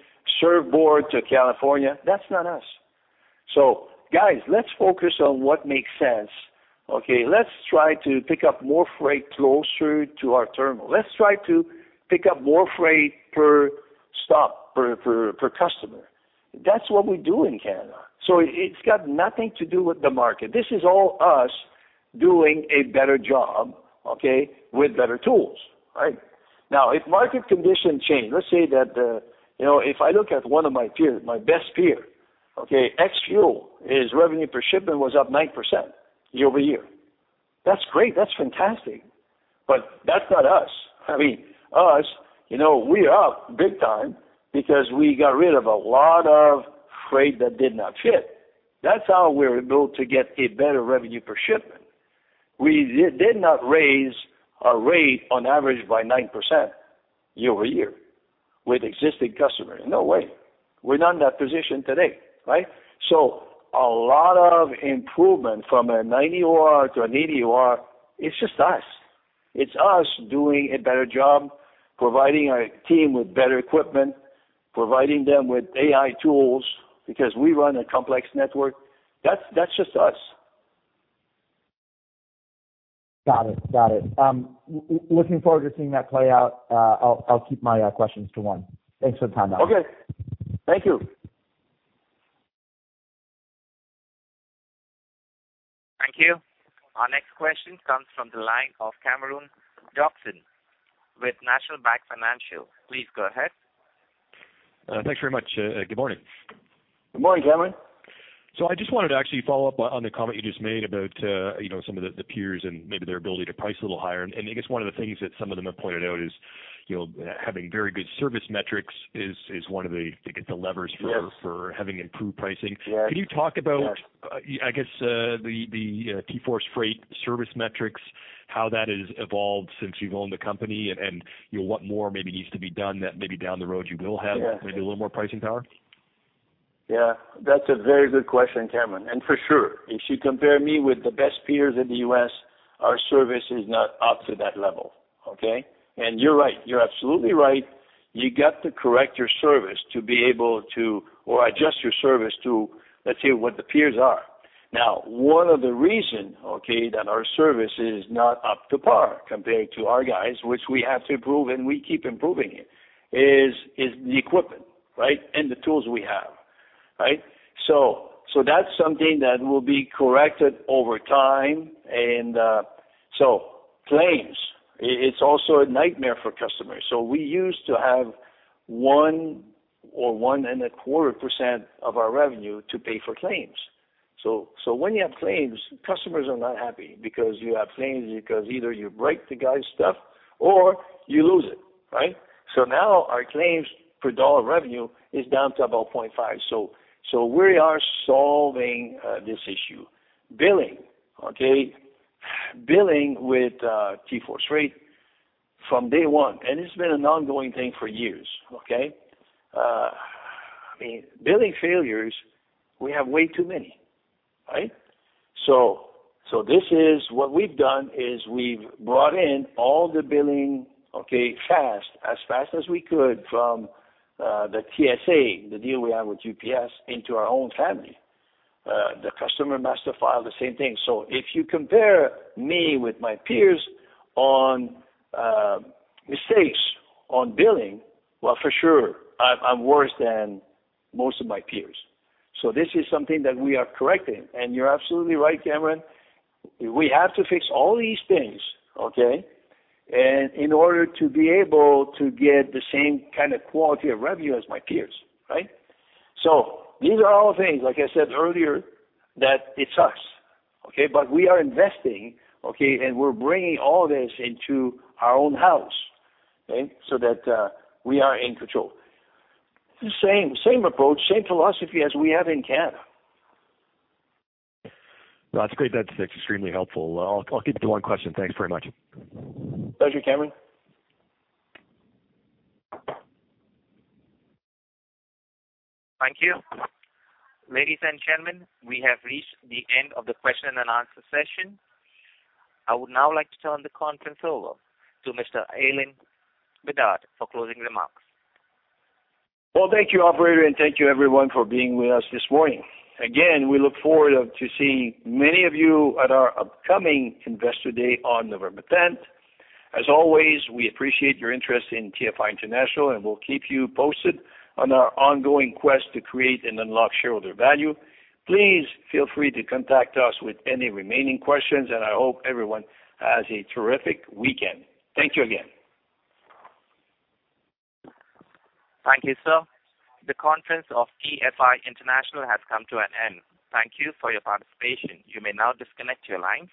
surfboards to California. That's not us. Guys, let's focus on what makes sense. Okay? Let's try to pick up more freight closer to our terminal. Let's try to pick up more freight per stop per customer. That's what we do in Canada. It's got nothing to do with the market. This is all us doing a better job, okay, with better tools, right? Now, if market conditions change, let's say that. You know, if I look at one of my peers, my best peer, okay, XPO, his revenue per shipment was up 9% year-over-year. That's great. That's fantastic. That's not us. I mean us, you know, we are up big time because we got rid of a lot of freight that did not fit. That's how we're able to get a better revenue per shipment. We did not raise our rate on average by 9% year-over-year with existing customers. No way. We're not in that position today, right? A lot of improvement from a 90% OR to an 80% OR, it's just us. It's us doing a better job, providing our team with better equipment, providing them with AI tools because we run a complex network. That's just us. Got it. Looking forward to seeing that play out. I'll keep my questions to one. Thanks for the time though. Okay. Thank you. Thank you. Our next question comes from the line of Cameron Doerksen with National Bank Financial. Please go ahead. Thanks very much. Good morning. Good morning, Cameron. I just wanted to actually follow up on the comment you just made about, you know, some of the peers and maybe their ability to price a little higher. I guess one of the things that some of them have pointed out is, you know, having very good service metrics is one of the, I think, it's the levers for... Yes. having improved pricing. Yes. Yes. Can you talk about, I guess, the TForce Freight service metrics, how that has evolved since you've owned the company and, you know, what more maybe needs to be done that maybe down the road you will have? Yes. Maybe a little more pricing power? Yeah, that's a very good question, Cameron. For sure, if you compare me with the best peers in the U.S., our service is not up to that level. Okay? You're right. You're absolutely right. You got to correct your service to be able to or adjust your service to, let's say, what the peers are. Now, one of the reason, okay, that our service is not up to par compared to our guys, which we have to improve and we keep improving it, is the equipment, right, and the tools we have. Right? So that's something that will be corrected over time. Claims, it's also a nightmare for customers. We used to have 1% or 1.25% of our revenue to pay for claims. When you have claims, customers are not happy because you have claims because either you break the guy's stuff or you lose it, right? Now our claims per dollar revenue is down to about 0.5%. We are solving this issue. Billing, okay? Billing with TForce Freight from day one, and it's been an ongoing thing for years, okay? I mean, billing failures, we have way too many, right? This is what we've done is we've brought in all the billing, okay, as fast as we could from the TSA, the deal we have with UPS into our own family. The customer master file, the same thing. If you compare me with my peers on mistakes on billing, well, for sure I'm worse than most of my peers. This is something that we are correcting. You're absolutely right, Cameron. We have to fix all these things, okay? In order to be able to get the same kind of quality of revenue as my peers, right? These are all things, like I said earlier, that it's us, okay? We are investing, okay, and we're bringing all this into our own house, okay, so that we are in control. The same approach, same philosophy as we have in Canada. That's great. That's extremely helpful. I'll keep it to one question. Thanks very much. Pleasure, Cameron. Thank you. Ladies and gentlemen, we have reached the end of the question and answer session. I would now like to turn the conference over to Mr. Alain Bédard for closing remarks. Well, thank you, operator, and thank you everyone for being with us this morning. Again, we look forward to seeing many of you at our upcoming Investor Day on November tenth. As always, we appreciate your interest in TFI International, and we'll keep you posted on our ongoing quest to create and unlock shareholder value. Please feel free to contact us with any remaining questions, and I hope everyone has a terrific weekend. Thank you again. Thank you, sir. The conference of TFI International has come to an end. Thank you for your participation. You may now disconnect your lines.